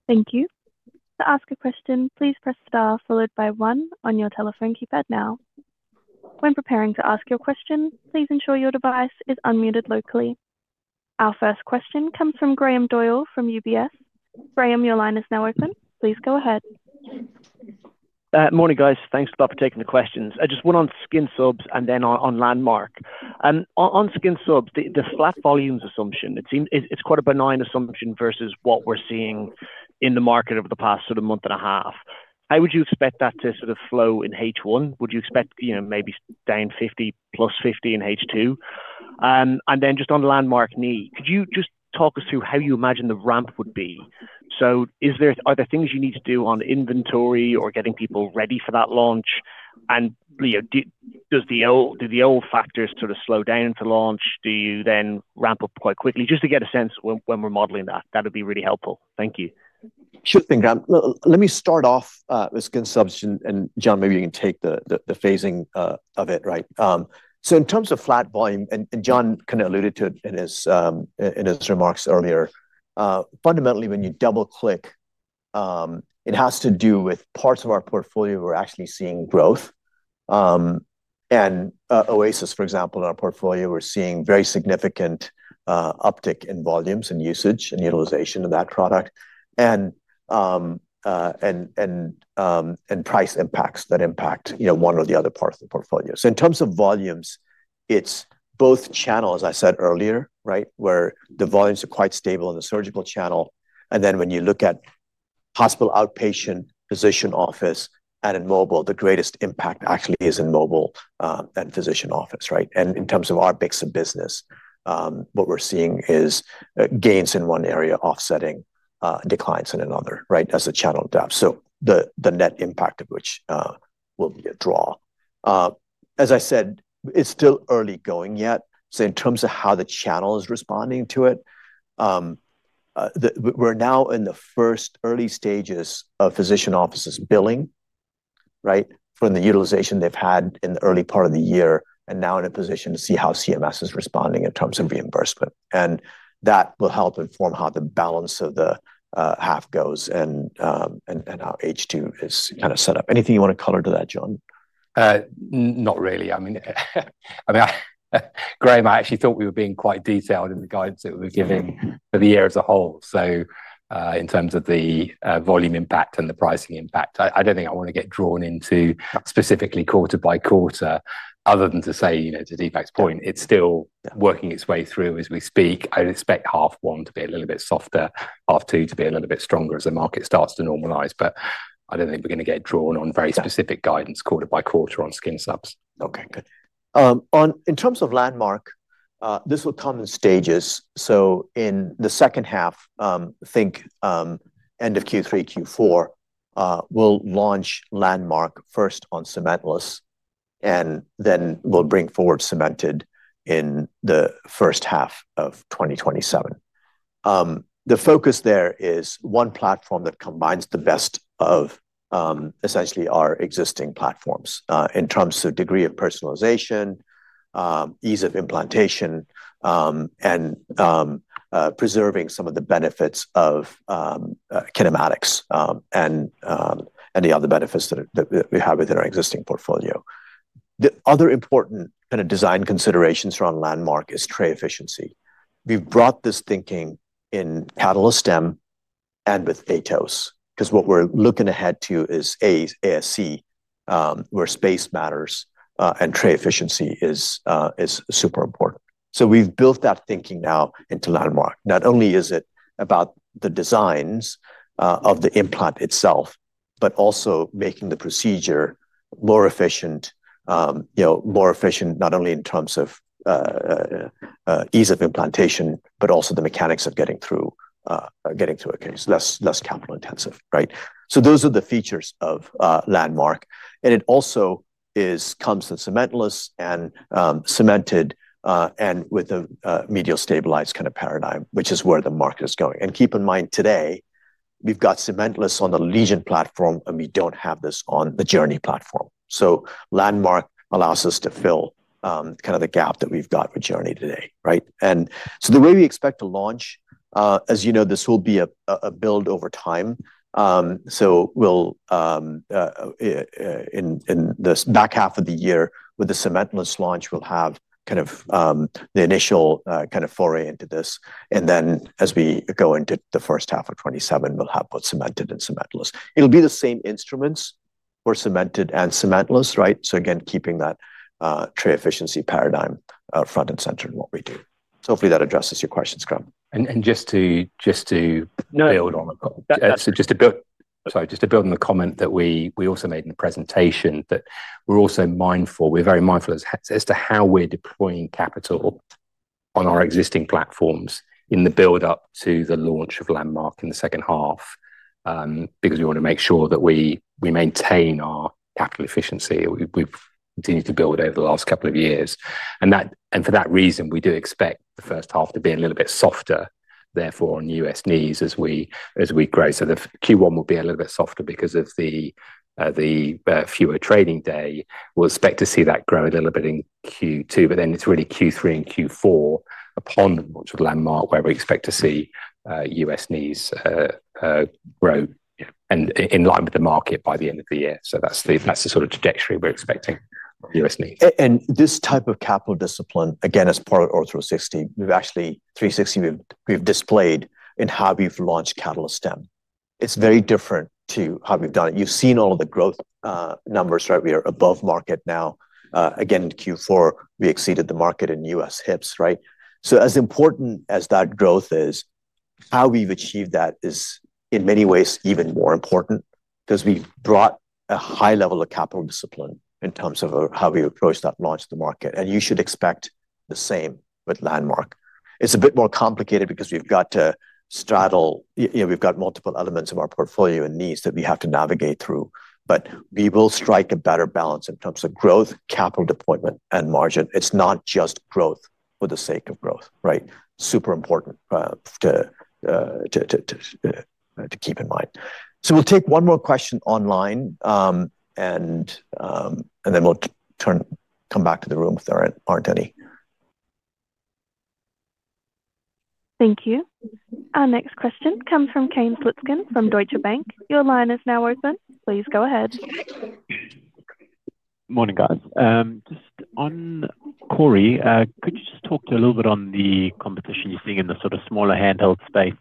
Thank you. To ask a question, please press star followed by 1 on your telephone keypad now. When preparing to ask your question, please ensure your device is unmuted locally. Our first question comes from Graham Doyle from UBS. Graham, your line is now open. Please go ahead. Morning, guys. Thanks a lot for taking the questions. I just went on skin subs and then on LANDMARK. On skin subs, the flat volumes assumption, it's quite a benign assumption versus what we're seeing in the market over the past sort of month and a half. How would you expect that to sort of flow in H one? Would you expect, you know, maybe down 50, +50 in H two? Just on LANDMARK knee, could you just talk us through how you imagine the ramp would be? Are there things you need to do on Inventory or getting people ready for that launch? You know, does the old factors sort of slow down to launch? Do you then ramp up quite quickly? Just to get a sense when we're modeling that. That'd be really helpful. Thank you. Sure thing, Graham. Let me start off with skin subs and John, maybe you can take the phasing of it, right? In terms of flat volume, and John kinda alluded to it in his remarks earlier, fundamentally, when you double-click, it has to do with parts of our portfolio we're actually seeing growth. OASIS, for example, in our portfolio, we're seeing very significant uptick in volumes and usage and utilization of that product. And price impacts that impact, you know, one or the other parts of the portfolio. In terms of volumes, it's both channels, as I said earlier, right? Where the volumes are quite stable in the surgical channel, when you look at hospital outpatient, physician office, and in mobile, the greatest impact actually is in mobile, and physician office, right? In terms of our mix of business, what we're seeing is gains in one area offsetting declines in another, right? As the channel adapts. The net impact of which will be a draw. As I said, it's still early going yet, in terms of how the channel is responding to it, we're now in the first early stages of physician offices billing, right? From the utilization they've had in the early part of the year, and now in a position to see how CMS is responding in terms of reimbursement. That will help inform how the balance of the half goes and how H2 is kinda set up. Anything you wanna color to that, John? Not really. I mean, Graham, I actually thought we were being quite detailed in the guidance that we're giving for the year as a whole. In terms of the volume impact and the pricing impact, I don't think I wanna get drawn into specifically quarter by quarter other than to say, you know, to Deepak's point, it's still working its way through as we speak. I'd expect half one to be a little bit softer, half two to be a little bit stronger as the market starts to normalize. I don't think we're gonna get drawn on very specific guidance quarter by quarter on skin subs. Okay, good. In terms of Landmark, this will come in stages. In the second half, think end of Q3, Q4, we'll launch Landmark first on cementless, and then we'll bring forward cemented in the first half of 2027. The focus there is one platform that combines the best of essentially our existing platforms in terms of degree of personalization, ease of implantation, and preserving some of the benefits of kinematics, and the other benefits that we have within our existing portfolio. The other important kind of design considerations around Landmark is tray efficiency. We've brought this thinking in Catalyst Stem and with AETOS, because what we're looking ahead to is ASC, where space matters, and tray efficiency is super important. We've built that thinking now into LANDMARK. Not only is it about the designs of the implant itself, but also making the procedure more efficient, you know, more efficient not only in terms of ease of implantation, but also the mechanics of getting through getting through a case. Less capital-intensive, right. Those are the features of LANDMARK. It also is, comes with cementless and cemented and with a medial stabilized kind of paradigm, which is where the market is going. Keep in mind today, we've got cementless on the LEGION platform, and we don't have this on the JOURNEY platform. LANDMARK allows us to fill kind of the gap that we've got with JOURNEY today, right. The way we expect to launch, as you know, this will be a build over time. We'll in this back half of the year with the cementless launch, we'll have the initial foray into this. As we go into the first half of 2027, we'll have both cemented and cementless. It'll be the same instruments for cemented and cementless, right? Again, keeping that tray efficiency paradigm front and center in what we do. Hopefully, that addresses your question, Scrum. Just to No. build on that. Just to build... Sorry. Just to build on the comment that we also made in the presentation that we're also mindful, we're very mindful as to how we're deploying capital on our existing platforms in the build-up to the launch of Landmark in the second half, because we wanna make sure that we maintain our capital efficiency. We've continued to build over the last couple of years. That, and for that reason, we do expect the first half to be a little bit softer, therefore, on U.S. knees as we grow. The Q1 will be a little bit softer because of the fewer trading day. We'll expect to see that grow a little bit in Q2. It's really Q3 and Q4 upon the launch of LANDMARK, where we expect to see U.S. knees grow in line with the market by the end of the year. That's the sort of trajectory we're expecting for U.S. knees. This type of capital discipline, again, as part of Ortho360, we've actually, we've displayed in how we've launched Catalyst CSR. It's very different to how we've done it. You've seen all of the growth numbers, right? We are above market now. Again, in Q4, we exceeded the market in U.S. hips, right? As important as that growth is, how we've achieved that is in many ways even more important 'cause we've brought a high level of capital discipline in terms of how we approach that launch to the market. You should expect the same with LANDMARK. It's a bit more complicated because we've got to straddle, you know, we've got multiple elements of our portfolio and needs that we have to navigate through. We will strike a better balance in terms of growth, capital deployment, and margin. It's not just growth for the sake of growth, right? Super important to keep in mind. We'll take one more question online, and then we'll turn, come back to the room if there aren't any. Thank you. Our next question comes from Kane Slutzkin from Deutsche Bank. Your line is now open. Please go ahead. Morning, guys. Just on CORI, could you just talk a little bit on the competition you're seeing in the sort of smaller handheld space?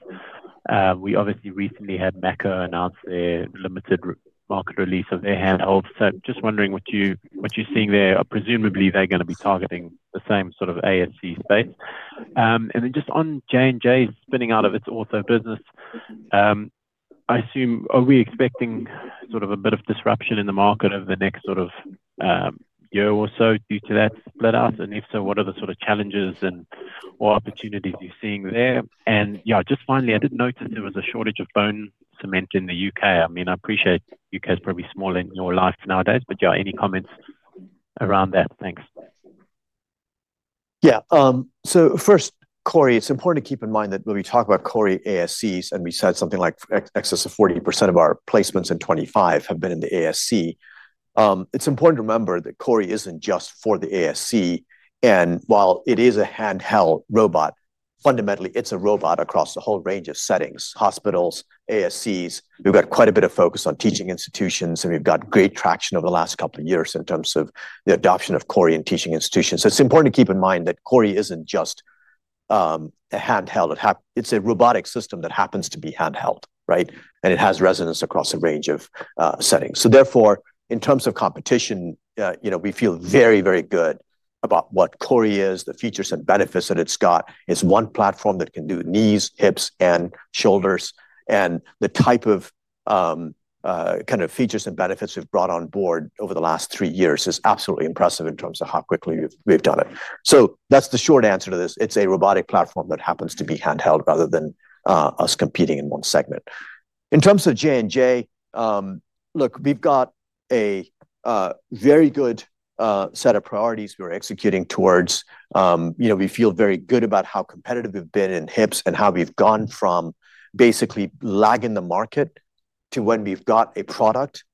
We obviously recently had Mako announce their limited market release of their handheld. Just wondering what you're seeing there. Presumably, they're gonna be targeting the same sort of ASC space. Just on J&J spinning out of its ortho business, I assume, are we expecting sort of a bit of disruption in the market over the next sort of one year or so due to that split up? If so, what are the sort of challenges and or opportunities you're seeing there? Just finally, I did notice there was a shortage of bone cement in the U.K. I mean, I appreciate U.K. is probably small in your life nowadays, but yeah, any comments around that? Thanks. First, CORI. It's important to keep in mind that when we talk about CORI ASCs, and we said something like excess of 40% of our placements in 2025 have been in the ASC, it's important to remember that CORI isn't just for the ASC. While it is a handheld robot, fundamentally, it's a robot across a whole range of settings, hospitals, ASCs. We've got quite a bit of focus on teaching institutions, and we've got great traction over the last couple of years in terms of the adoption of CORI in teaching institutions. It's important to keep in mind that CORI isn't just a handheld. It's a robotic system that happens to be handheld, right? It has resonance across a range of settings. Therefore, in terms of competition, you know, we feel very, very good about what CORI is, the features and benefits that it's got. It's one platform that can do knees, hips, and shoulders. The type of features and benefits we've brought on board over the last three years is absolutely impressive in terms of how quickly we've done it. That's the short answer to this. It's a robotic platform that happens to be handheld rather than us competing in one segment. In terms of J&J, look, we've got a very good set of priorities we're executing towards. You know, we feel very good about how competitive we've been in hips and how we've gone from basically lagging the market to when we've got a product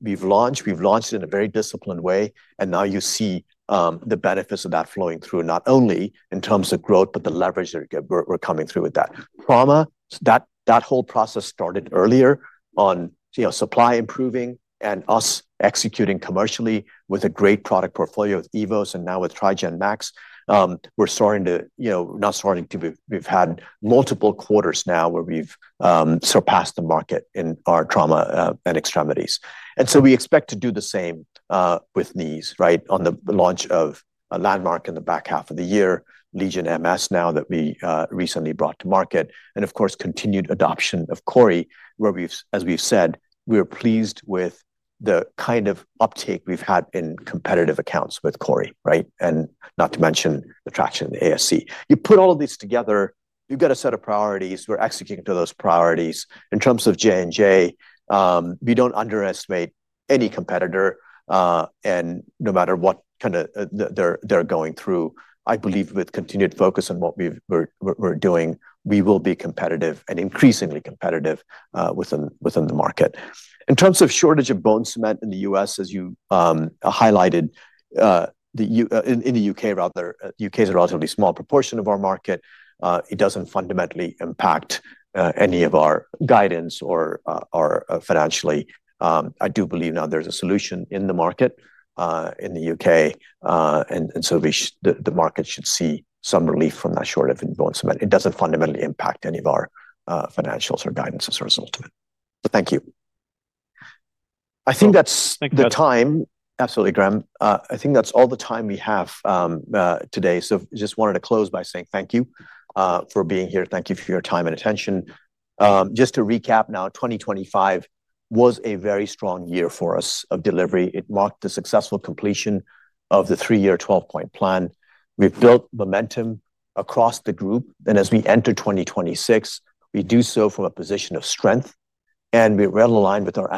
we've launched. We've launched in a very disciplined way, now you see the benefits of that flowing through, not only in terms of growth, but the leverage that we're coming through with that. Trauma, that whole process started earlier on, you know, supply improving and us executing commercially with a great product portfolio with EVOS and now with TRIGEN MAX. We're starting to, you know, we've had multiple quarters now where we've surpassed the market in our trauma and extremities. We expect to do the same with knees, right? On the launch of a LANDMARK in the back half of the year, LEGION MS now that we recently brought to market, and of course, continued adoption of CORI, where we've, as we've said, we're pleased with the kind of uptake we've had in competitive accounts with CORI, right? Not to mention the traction in the ASC. You put all of these together, you've got a set of priorities. We're executing to those priorities. In terms of J&J, we don't underestimate any competitor, and no matter what kinda they're going through, I believe with continued focus on what we're doing, we will be competitive and increasingly competitive within the market. In terms of shortage of bone cement in the U.S., as you highlighted, the U.K. rather. U.K. is a relatively small proportion of our market. It doesn't fundamentally impact any of our guidance or financially. I do believe now there's a solution in the market in the U.K., and so the market should see some relief from that shortage in bone cement. It doesn't fundamentally impact any of our financials or guidance as a result of it. Thank you. I think that's the time. Thank you. Absolutely, Graham. I think that's all the time we have today. Just wanted to close by saying thank you for being here. Thank you for your time and attention. Just to recap now, 2025 was a very strong year for us of delivery. It marked the successful completion of the three-year, 12-Point Plan. We've built momentum across the group, and as we enter 2026, we do so from a position of strength, and we're well-aligned with our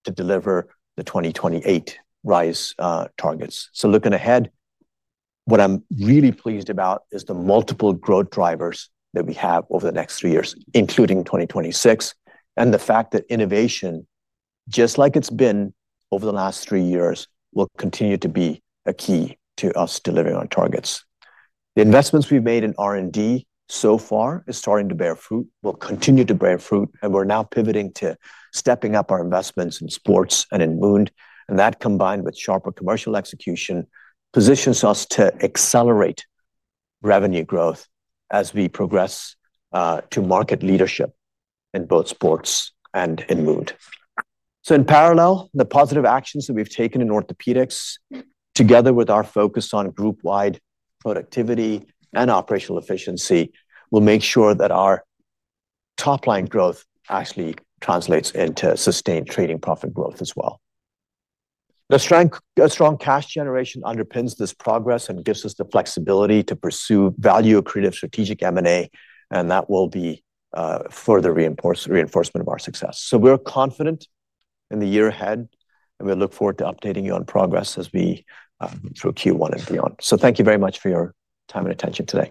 ambition to deliver the 2028 RISE targets. Looking ahead, what I'm really pleased about is the multiple growth drivers that we have over the next three years, including 2026, and the fact that innovation, just like it's been over the last three years, will continue to be a key to us delivering on targets. The investments we've made in R&D so far is starting to bear fruit, will continue to bear fruit, and we're now pivoting to stepping up our investments in sports and in wound. That, combined with sharper commercial execution, positions us to accelerate revenue growth as we progress to market leadership in both sports and in wound. In parallel, the positive actions that we've taken in Orthopedics, together with our focus on group-wide productivity and operational efficiency, will make sure that our top line growth actually translates into sustained trading profit growth as well. A strong cash generation underpins this progress and gives us the flexibility to pursue value-accretive strategic M&A, and that will be further reinforcement of our success. We're confident in the year ahead, and we look forward to updating you on progress as we through Q1 and beyond. Thank you very much for your time and attention today.